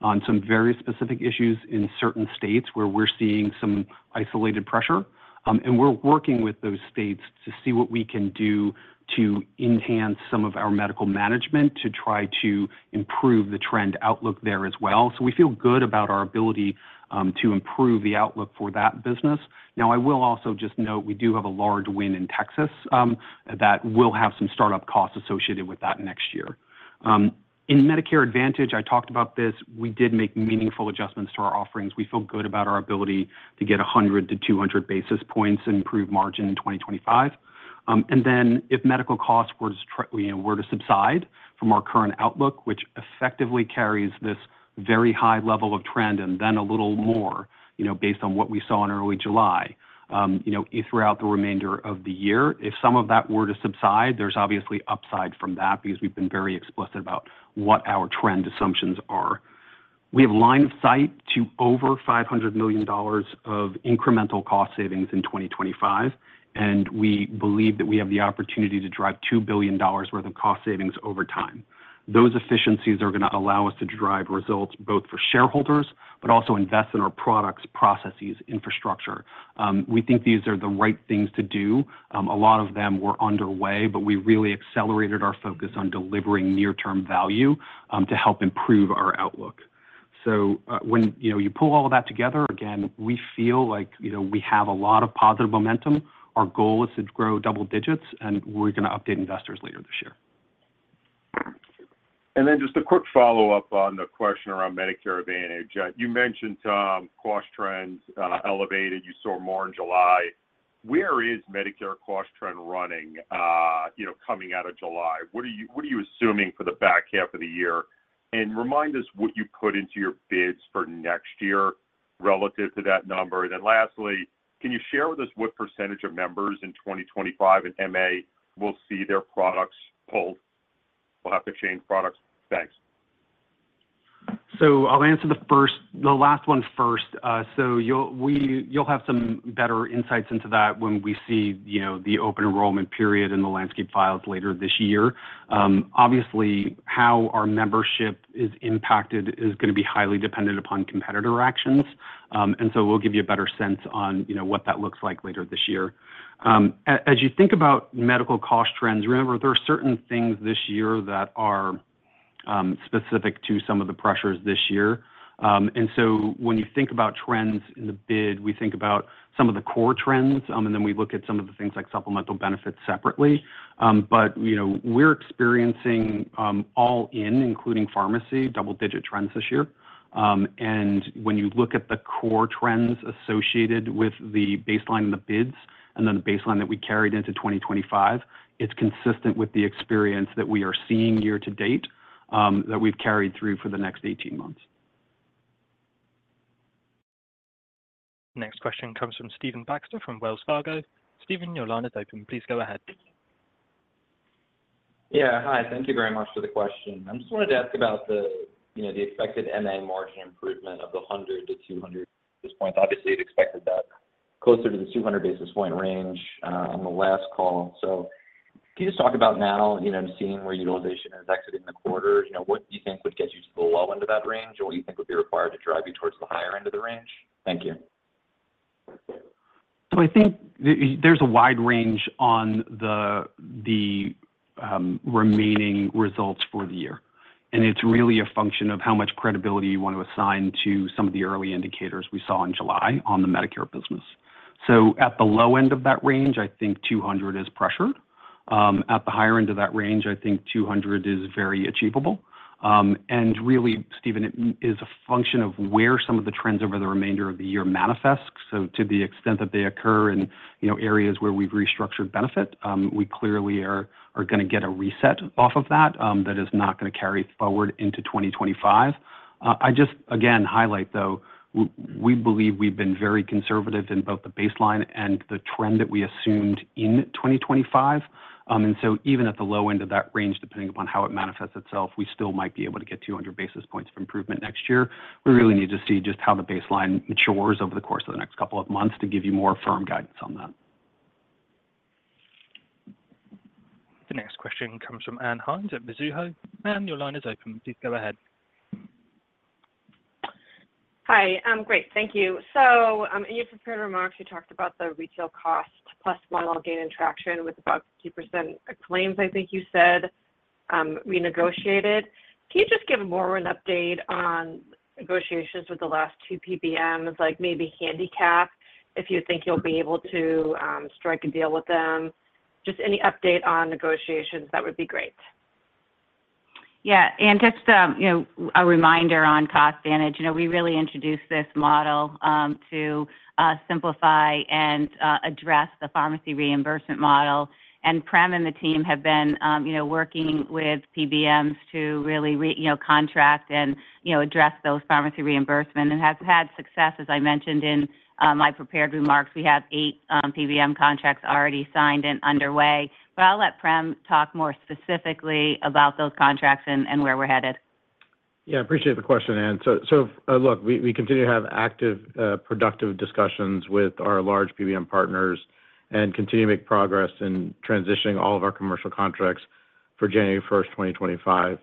on some very specific issues in certain states where we're seeing some isolated pressure. We're working with those states to see what we can do to enhance some of our medical management, to try to improve the trend outlook there as well. We feel good about our ability to improve the outlook for that business. Now, I will also just note, we do have a large win in Texas that will have some startup costs associated with that next year. In Medicare Advantage, I talked about this, we did make meaningful adjustments to our offerings. We feel good about our ability to get 100-200 basis points improved margin in 2025. If medical costs were to, you know, were to subside from our current outlook, which effectively carries this very high level of trend, and then a little more, you know, based on what we saw in early July, you know, if throughout the remainder of the year, if some of that were to subside, there's obviously upside from that because we've been very explicit about what our trend assumptions are. We have line of sight to over $500 million of incremental cost savings in 2025, and we believe that we have the opportunity to drive $2 billion worth of cost savings over time. Those efficiencies are gonna allow us to drive results, both for shareholders, but also invest in our products, processes, infrastructure. We think these are the right things to do. A lot of them were underway, but we really accelerated our focus on delivering near-term value to help improve our outlook. When, you know, you pull all of that together, again, we feel like, you know, we have a lot of positive momentum. Our goal is to grow double digits, and we're gonna update investors later this year. Just a quick follow-up on the question around Medicare Advantage. You mentioned cost trends elevated, you saw more in July. Where is Medicare cost trend running, you know, coming out of July? What are you assuming for the back half of the year? Remind us what you put into your bids for next year relative to that number. Lastly, can you share with us what percentage of members in 2025 in MA will see their products pulled? Will have to change products. Thanks. I'll answer the first, the last one first. You'll have some better insights into that when we see, you know, the open enrollment period and the landscape files later this year. Obviously, how our membership is impacted is gonna be highly dependent upon competitor actions. We'll give you a better sense on, you know, what that looks like later this year. As you think about medical cost trends, remember, there are certain things this year that are specific to some of the pressures this year. When you think about trends in the bid, we think about some of the core trends, and then we look at some of the things like supplemental benefits separately. You know, we're experiencing all in, including pharmacy, double-digit trends this year. When you look at the core trends associated with the baseline and the bids, and then the baseline that we carried into 2025, it's consistent with the experience that we are seeing year to date, that we've carried through for the next 18 months. Next question comes from Stephen Baxter, from Wells Fargo. Stephen, your line is open. Please go ahead. Thank you very much for the question. I just wanted to ask about the, you know, the expected MA margin improvement of 100-200 basis points. Obviously, you'd expected that closer to the 200 basis point range on the last call. Can you just talk about now, you know, seeing where utilization is exiting the quarter? You know, what do you think would get you to the low end of that range, or what do you think would be required to drive you towards the higher end of the range? Thank you. I think there's a wide range on the remaining results for the year, and it's really a function of how much credibility you want to assign to some of the early indicators we saw in July on the Medicare business. It the low end of that range, I think 200 is pressured. At the higher end of that range, I think 200 is very achievable. Really, Stephen, it is a function of where some of the trends over the remainder of the year manifest. To the extent that they occur in, you know, areas where we've restructured benefit, we clearly are gonna get a reset off of that, that is not gonna carry forward into 2025. I just again highlight, though, we believe we've been very conservative in both the baseline and the trend that we assumed in 2025. And so even at the low end of that range, depending upon how it manifests itself, we still might be able to get 200 basis points of improvement next year. We really need to see just how the baseline matures over the course of the next couple of months to give you more firm guidance on that. The next question comes from Ann Hynes at Mizuho. Ann, your line is open. Please go ahead. Hi, great. Thank you. So, in your prepared remarks, you talked about the retail cost plus model gaining traction with about 2% claims, I think you said, renegotiated. Can you just give more of an update on negotiations with the last two PBMs, like maybe handicap, if you think you'll be able to, strike a deal with them? Just any update on negotiations, that would be great. Yeah, and just, you know, a reminder on CostVantage. You know, we really introduced this model, to, simplify and, address the pharmacy reimbursement model. And Prem and the team have been, you know, working with PBMs to really re, you know, contract and, you know, address those pharmacy reimbursement, and have had success, as I mentioned in, my prepared remarks. We have eight PBM contracts already signed and underway. But I'll let Prem talk more specifically about those contracts and, and where we're headed. Yeah, appreciate the question, Ann. So, look, we continue to have active, productive discussions with our large PBM partners and continue to make progress in transitioning all of our commercial contracts for January 1st, 2025.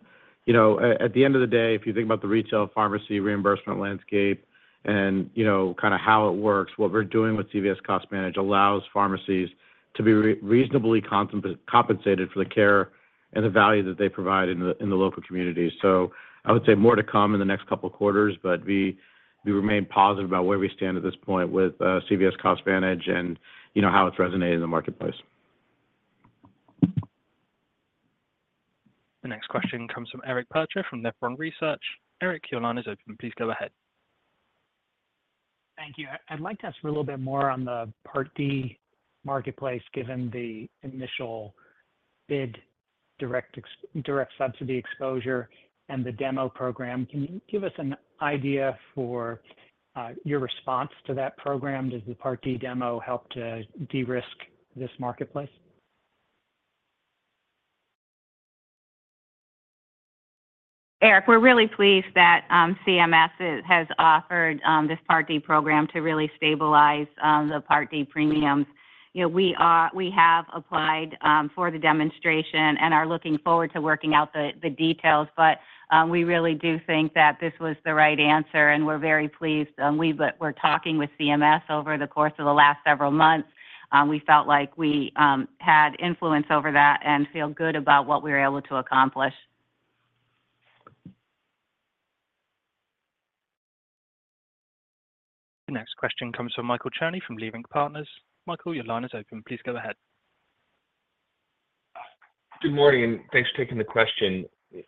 You know, at the end of the day, if you think about the retail pharmacy reimbursement landscape and, you know, kind of how it works, what we're doing with CVS CostVantage allows pharmacies to be reasonably compensated for the care and the value that they provide in the local community. So I would say more to come in the next couple of quarters, but we remain positive about where we stand at this point with CVS CostVantage and, you know, how it's resonated in the marketplace. The next question comes from Eric Percher from Nephron Research. Eric, your line is open. Please go ahead. Thank you. I'd like to ask for a little bit more on the Part D marketplace, given the initial bid, direct subsidy exposure and the demo program. Can you give us an idea for your response to that program? Does the Part D demo help to de-risk this marketplace? Eric, we're really pleased that CMS has offered this Part D program to really stabilize the Part D premiums. You know, we have applied for the demonstration and are looking forward to working out the details, but we really do think that this was the right answer, and we're very pleased. We were talking with CMS over the course of the last several months. We felt like we had influence over that and feel good about what we were able to accomplish. The next question comes from Michael Cherny, from Leerink Partners. Michael, your line is open. Please go ahead. Good morning, and thanks for taking the question.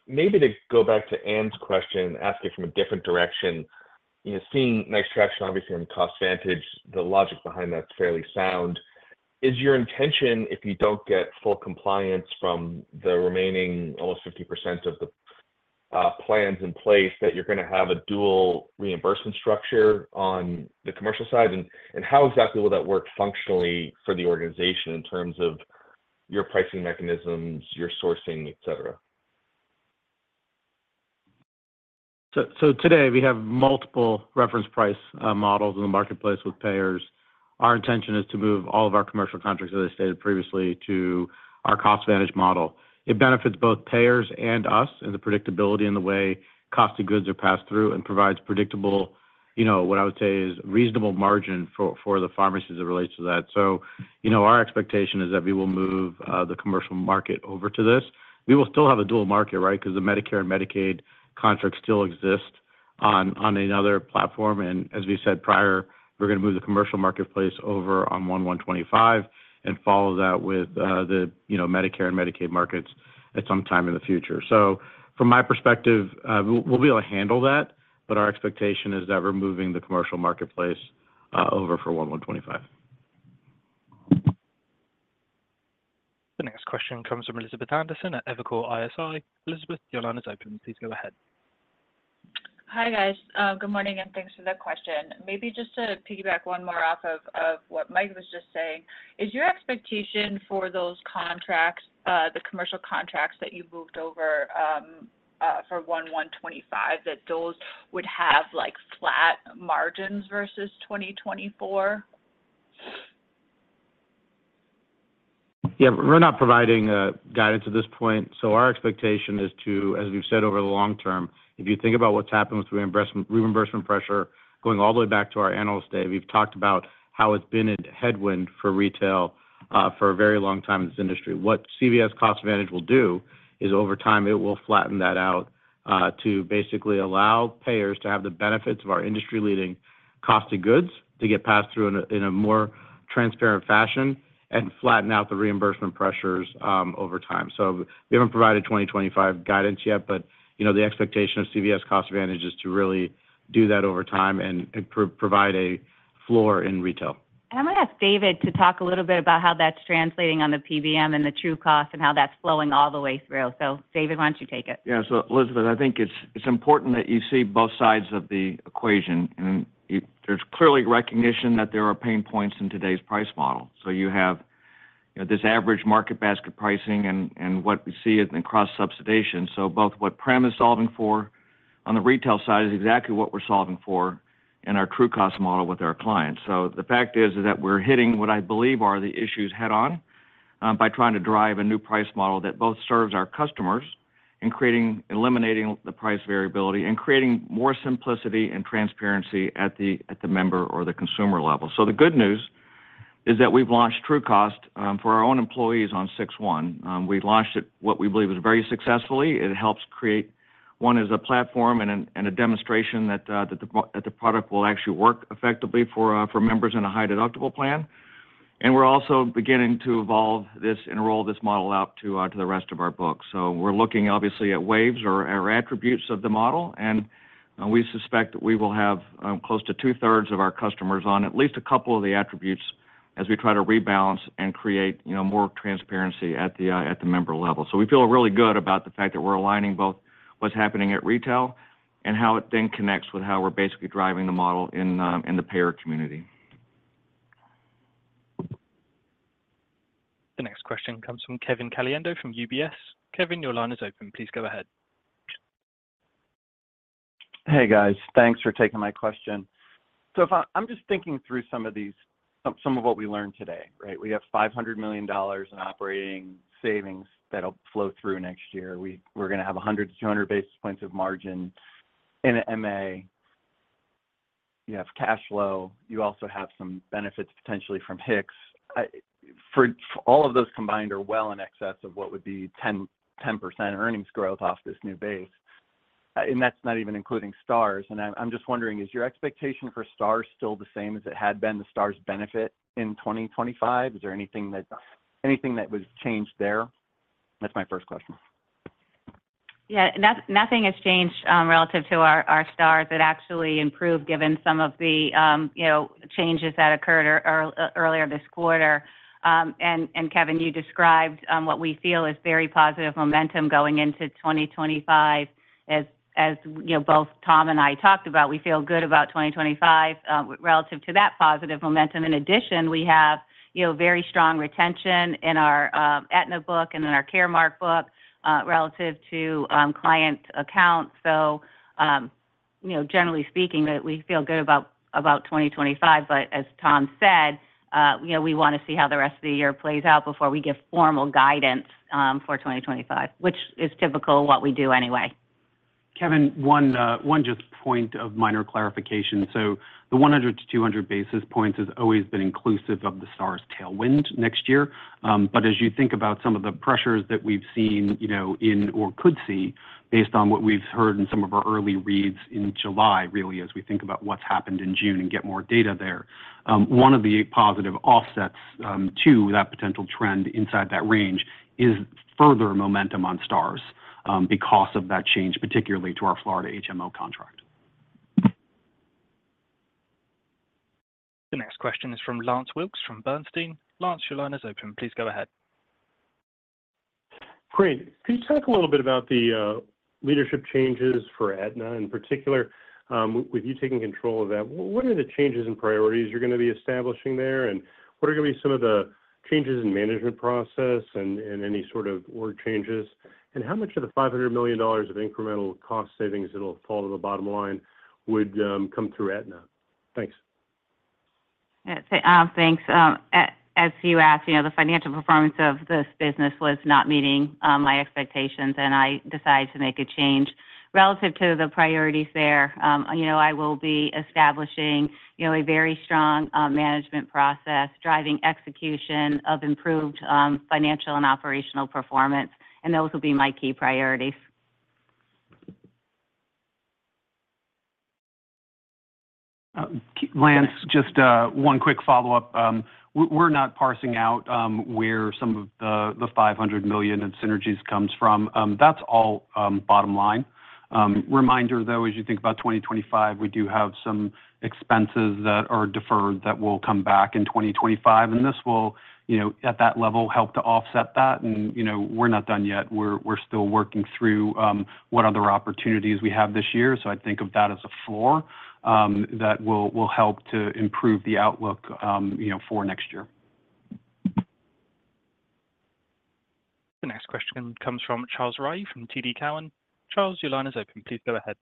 Maybe to go back to Ann's question, ask it from a different direction: you know, seeing nice traction, obviously, on CostVantage, the logic behind that's fairly sound. Is your intention, if you don't get full compliance from the remaining, almost 50% of the plans in place, that you're gonna have a dual reimbursement structure on the commercial side? And, and how exactly will that work functionally for the organization in terms of your pricing mechanisms, your sourcing, et cetera? Today we have multiple reference price models in the marketplace with payers. Our intention is to move all of our commercial contracts, as I stated previously, to our CostVantage model. It benefits both payers and us, in the predictability and the way cost of goods are passed through, and provides predictable, you know, what I would say is reasonable margin for, for the pharmacist as it relates to that. You know, our expectation is that we will move the commercial market over to this. We will still have a dual market, right? Because the Medicare and Medicaid contracts still exist on, on another platform. And as we said prior, we're gonna move the commercial marketplace over on 1/1/2025 and follow that with, the, you know, Medicare and Medicaid markets at some time in the future. From my perspective, we'll be able to handle that, but our expectation is that we're moving the commercial marketplace over for 1/1/2025. The next question comes from Elizabeth Anderson at Evercore ISI. Elizabeth, your line is open. Please go ahead. Hi, guys. Good morning, and thanks for the question. Maybe just to piggyback one more off of, of what Mike was just saying, is your expectation for those contracts, the commercial contracts that you moved over, for 1/1/2025, that those would have, like, flat margins versus 2024? We're not providing guidance at this point. Our expectation is to, as we've said over the long term, if you think about what's happened with reimbursement, reimbursement pressure, going all the way back to our analyst day, we've talked about how it's been a headwind for retail for a very long time in this industry. What CVS CostVantage will do is, over time, it will flatten that out to basically allow payers to have the benefits of our industry-leading cost of goods, to get passed through in a more transparent fashion and flatten out the reimbursement pressures over time. We haven't provided 2025 guidance yet, but, you know, the expectation of CVS CostVantage is to really do that over time and provide a floor in retail. I'm gonna ask David to talk a little bit about how that's translating on the PBM and the TrueCost, and how that's flowing all the way through. David, why don't you take it? Elizabeth, I think it's important that you see both sides of the equation, and there's clearly recognition that there are pain points in today's price model. You have, you know, this average market basket pricing and what we see as in cross-subsidization. Both what Prem is solving for on the retail side is exactly what we're solving for in our TrueCost model with our clients. The fact is that we're hitting what I believe are the issues head on by trying to drive a new price model that both serves our customers in creating... eliminating the price variability, and creating more simplicity and transparency at the member or the consumer level. So the good news is that we've launched TrueCost for our own employees on June 1. We've launched it, what we believe is very successfully. It helps create one is a platform and a demonstration that the product will actually work effectively for members in a high deductible plan. And we're also beginning to evolve this and roll this model out to the rest of our books. So we're looking obviously at waves or attributes of the model, and we suspect that we will have close to 2/3 of our customers on at least a couple of the attributes as we try to rebalance and create, you know, more transparency at the member level. So we feel really good about the fact that we're aligning both what's happening at retail, and how it then connects with how we're basically driving the model in the payer community. The next question comes from Kevin Caliendo, from UBS. Kevin, your line is open. Please go ahead. Hey, guys. Thanks for taking my question. So if I'm just thinking through some of these, some of what we learned today, right? We have $500 million in operating savings that'll flow through next year. We're gonna have 100-200 basis points of margin in MA. You have cash flow, you also have some benefits, potentially from HIX. For all of those combined, are well in excess of what would be 10% earnings growth off this new base, and that's not even including Stars. And I'm just wondering, is your expectation for Stars still the same as it had been, the Stars benefit in 2025? Is there anything that was changed there? That's my first question. Yeah. No, nothing has changed relative to our Stars. It actually improved given some of the, you know, changes that occurred earlier this quarter. And Kevin, you described what we feel is very positive momentum going into 2025. As you know, both Tom and I talked about, we feel good about 2025 relative to that positive momentum. In addition, we have, you know, very strong retention in our Aetna book and in our Caremark book relative to client accounts. So, you know, generally speaking, we feel good about 2025. But as Tom said, you know, we wanna see how the rest of the year plays out before we give formal guidance for 2025, which is typical of what we do anyway. Kevin, one just point of minor clarification. So the 100-200 basis points has always been inclusive of the Stars tailwind next year. But as you think about some of the pressures that we've seen, you know, in or could see, based on what we've heard in some of our early reads in July, really, as we think about what's happened in June and get more data there. One of the positive offsets to that potential trend inside that range is further momentum on Stars because of that change, particularly to our Florida HMO contract. The next question is from Lance Wilkes, from Bernstein. Lance, your line is open. Please go ahead. Great. Can you talk a little bit about the leadership changes for Aetna in particular, with you taking control of that? What are the changes in priorities you're gonna be establishing there, and what are gonna be some of the changes in management process and any sort of org changes? How much of the $500 million of incremental cost savings that'll fall to the bottom line would come through Aetna? Thanks. Thanks. As you asked, you know, the financial performance of this business was not meeting my expectations, and I decided to make a change. Relative to the priorities there, you know, I will be establishing, you know, a very strong management process, driving execution of improved financial and operational performance, and those will be my key priorities. Lance, just one quick follow-up. We're, we're not parsing out where some of the, the $500 million in synergies comes from. That's all bottom line. Reminder though, as you think about 2025, we do have some expenses that are deferred that will come back in 2025, and this will, you know, at that level, help to offset that. You know, we're not done yet. We're, we're still working through what other opportunities we have this year. So I think of that as a floor that will, will help to improve the outlook, you know, for next year. The next question comes from Charles Rhyee, from TD Cowen. Charles, your line is open. Please go ahead.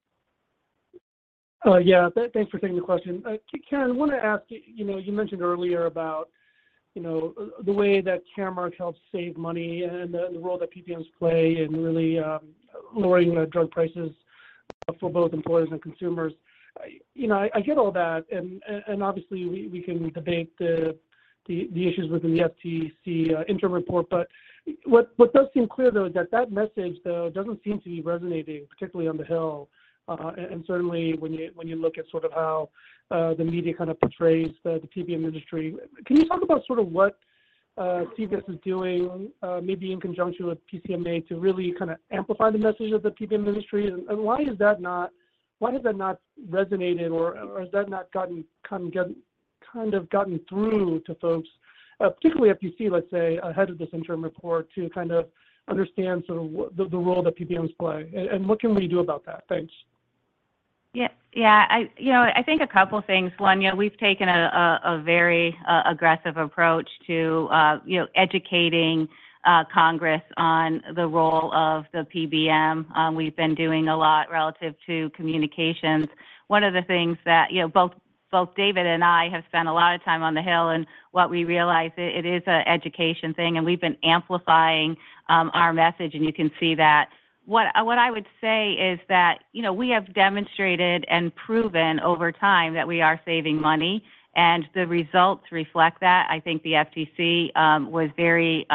Yeah, thanks for taking the question. Karen, I wanna ask you, you know, you mentioned earlier about, you know, the way that Caremark helps save money and the role that PBMs play in really lowering the drug prices.for both employers and consumers. You know, I get all that, and obviously, we can debate the issues within the FTC interim report. But what does seem clear, though, is that that message, though, doesn't seem to be resonating, particularly on the Hill, and certainly when you look at sort of how the media kind of portrays the PBM industry. Can you talk about sort of what CVS is doing, maybe in conjunction with PCMA to really kind of amplify the message of the PBM industry, and why has that not resonated or has that not gotten kind of gotten through to folks, particularly at FTC, let's say, ahead of this interim report, to kind of understand sort of what the role that PBMs play? And what can we do about that? Thanks. Yeah, yeah. I, you know, I think a couple things. One, you know, we've taken a very aggressive approach to, you know, educating Congress on the role of the PBM. We've been doing a lot relative to communications. One of the things that, you know, both David and I have spent a lot of time on the Hill, and what we realize, it is an education thing, and we've been amplifying our message, and you can see that. What, what I would say is that, you know, we have demonstrated and proven over time that we are saving money, and the results reflect that. I think the FTC was very,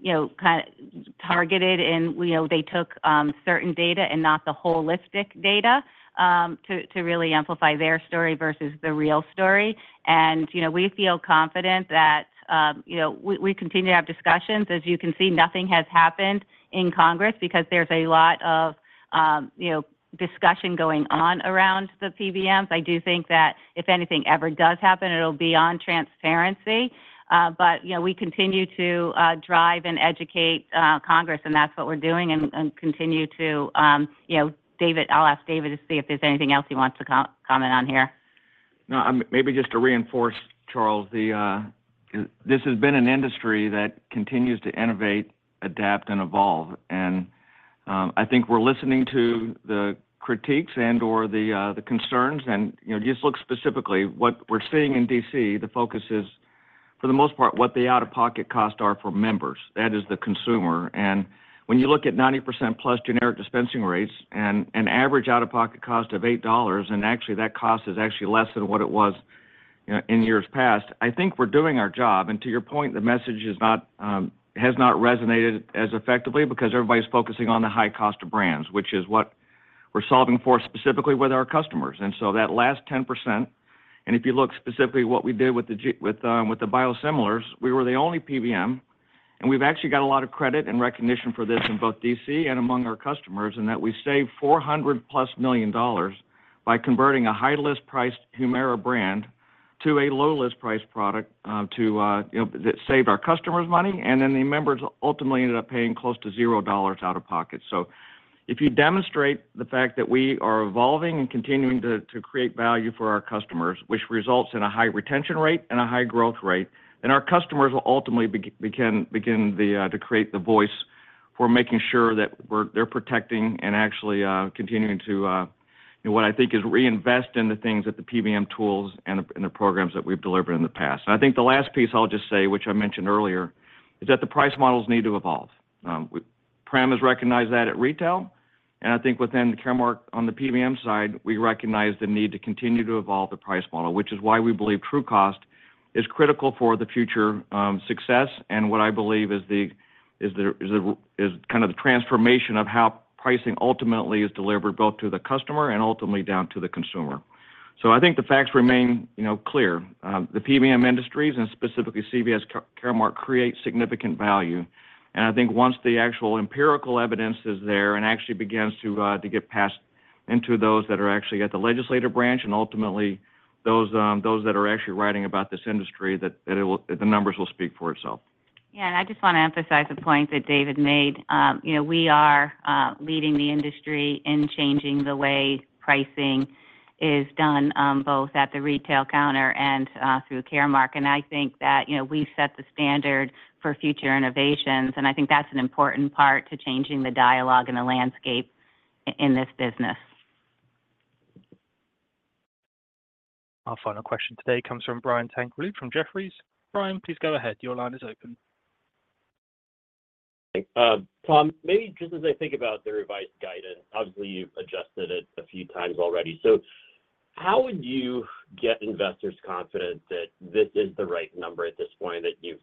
you know, kind, targeted, and, you know, they took certain data and not the holistic data to really amplify their story versus the real story. And, you know, we feel confident that, you know, we continue to have discussions. As you can see, nothing has happened in Congress because there's a lot of, you know, discussion going on around the PBMs. I do think that if anything ever does happen, it'll be on transparency. But, you know, we continue to drive and educate Congress, and that's what we're doing and continue to, you know. David, I'll ask David to see if there's anything else he wants to comment on here. No, maybe just to reinforce, Charles, this has been an industry that continues to innovate, adapt, and evolve, and I think we're listening to the critiques and/or the concerns. And, you know, just look specifically, what we're seeing in D.C., the focus is, for the most part, what the out-of-pocket costs are for members, that is, the consumer. And when you look at 90% plus generic dispensing rates and an average out-of-pocket cost of $8, and actually that cost is actually less than what it was in years past, I think we're doing our job. And to your point, the message is not, has not resonated as effectively because everybody's focusing on the high cost of brands, which is what we're solving for specifically with our customers. And so that last 10%, and if you look specifically what we did with the biosimilars, we were the only PBM, and we've actually got a lot of credit and recognition for this in both D.C. and among our customers, in that we saved $400+ million by converting a high list priced Humira brand to a low list price product, to you know, that saved our customers money, and then the members ultimately ended up paying close to zero dollar out of pocket. So if you demonstrate the fact that we are evolving and continuing to create value for our customers, which results in a high retention rate and a high growth rate, then our customers will ultimately begin to create the voice for making sure that we're, they're protecting and actually continuing to, you know, what I think is reinvest in the things that the PBM tools and the programs that we've delivered in the past. And I think the last piece I'll just say, which I mentioned earlier, is that the price models need to evolve. Prem has recognized that at retail, and I think within the Caremark, on the PBM side, we recognize the need to continue to evolve the price model, which is why we believe true cost is critical for the future success and what I believe is the kind of the transformation of how pricing ultimately is delivered, both to the customer and ultimately down to the consumer. So I think the facts remain, you know, clear. The PBM industries, and specifically CVS Caremark, create significant value. And I think once the actual empirical evidence is there and actually begins to get passed into those that are actually at the legislative branch and ultimately those that are actually writing about this industry, that it will, the numbers will speak for itself. Yeah, and I just want to emphasize the point that David made. You know, we are leading the industry in changing the way pricing is done, both at the retail counter and through Caremark. And I think that, you know, we set the standard for future innovations, and I think that's an important part to changing the dialogue and the landscape in this business. Our final question today comes from Brian Tanquilut from Jefferies. Brian, please go ahead. Your line is open. Tom, maybe just as I think about the revised guidance, obviously, you've adjusted it a few times already. So how would you get investors confident that this is the right number at this point, that you've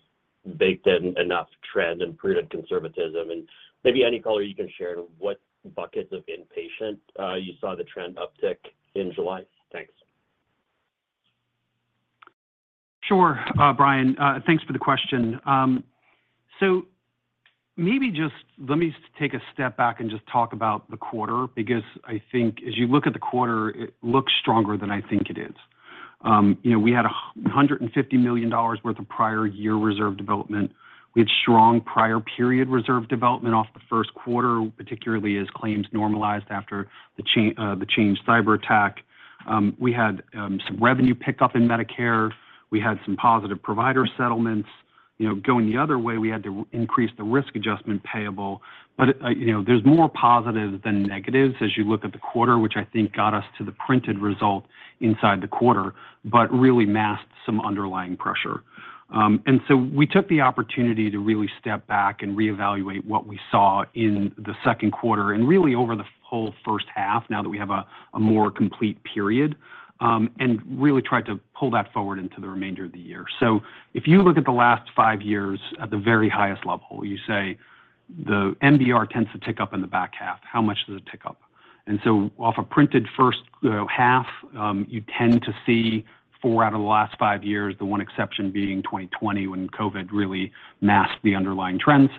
baked in enough trend and prudent conservatism? And maybe any color you can share, what buckets of inpatient, you saw the trend uptick in July? Thanks. Sure, Brian. Thanks for the question. So maybe just let me take a step back and just talk about the quarter, because I think as you look at the quarter, it looks stronger than I think it is. You know, we had $150 million worth of prior year reserve development. We had strong prior period reserve development off the first quarter, particularly as claims normalized after the Change Healthcare cyberattack. We had some revenue pickup in Medicare. We had some positive provider settlements, you know, going the other way, we had to increase the risk adjustment payable. But, you know, there's more positives than negatives as you look at the quarter, which I think got us to the printed result inside the quarter, but really masked some underlying pressure. And so we took the opportunity to really step back and reevaluate what we saw in the second quarter and really over the whole first half, now that we have a more complete period, and really tried to pull that forward into the remainder of the year. So if you look at the last five years at the very highest level, you say the MBR tends to tick up in the back half. How much does it tick up? So off a trend in first, you know, half, you tend to see four out of the last five years, the one exception being 2020, when COVID really masked the underlying trends.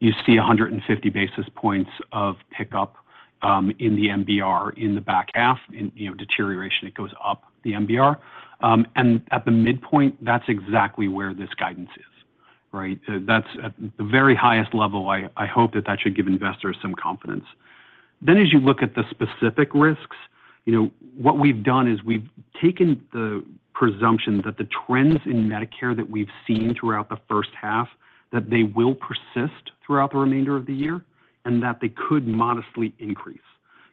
You see 150 basis points of pickup in the MBR in the back half, you know, deterioration, it goes up the MBR. And at the midpoint, that's exactly where this guidance is, right? That's at the very highest level. I, I hope that that should give investors some confidence. Then as you look at the specific risks, you know, what we've done is we've taken the presumption that the trends in Medicare that we've seen throughout the first half, that they will persist throughout the remainder of the year, and that they could modestly increase.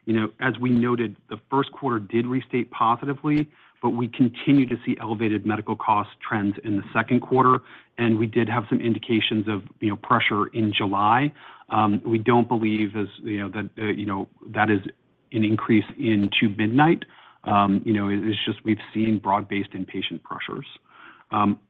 You know, as we noted, the first quarter did restate positively, but we continue to see elevated medical cost trends in the second quarter, and we did have some indications of, you know, pressure in July. We don't believe, you know, that is an increase in Two-. You know, it's just we've seen broad-based inpatient pressures.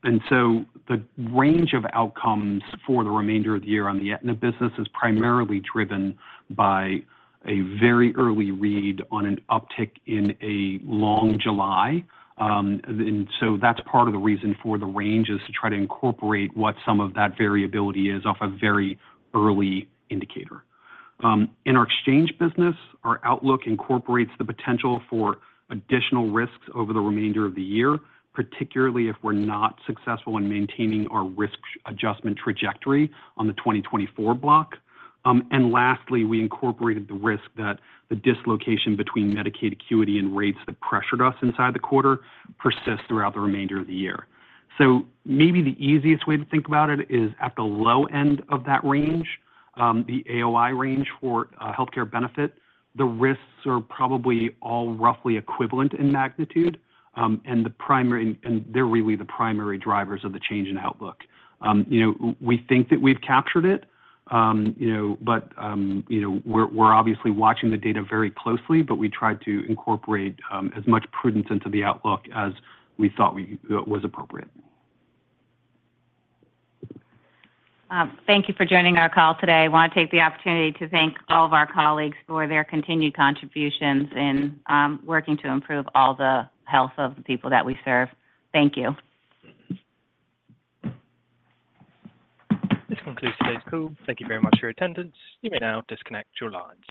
And so the range of outcomes for the remainder of the year on the Aetna business is primarily driven by a very early read on an uptick in a long July. And so that's part of the reason for the range, is to try to incorporate what some of that variability is off a very early indicator. In our exchange business, our outlook incorporates the potential for additional risks over the remainder of the year, particularly if we're not successful in maintaining our risk adjustment trajectory on the 2024 block. And lastly, we incorporated the risk that the dislocation between Medicaid acuity and rates that pressured us inside the quarter persist throughout the remainder of the year. So maybe the easiest way to think about it is at the low end of that range, the AOI range for healthcare benefit, the risks are probably all roughly equivalent in magnitude, and the primary and they're really the primary drivers of the change in outlook. You know, we think that we've captured it, you know, but, you know, we're obviously watching the data very closely, but we tried to incorporate as much prudence into the outlook as we thought was appropriate. Thank you for joining our call today. I want to take the opportunity to thank all of our colleagues for their continued contributions in, working to improve all the health of the people that we serve. Thank you. This concludes today's call. Thank you very much for your attendance. You may now disconnect your lines.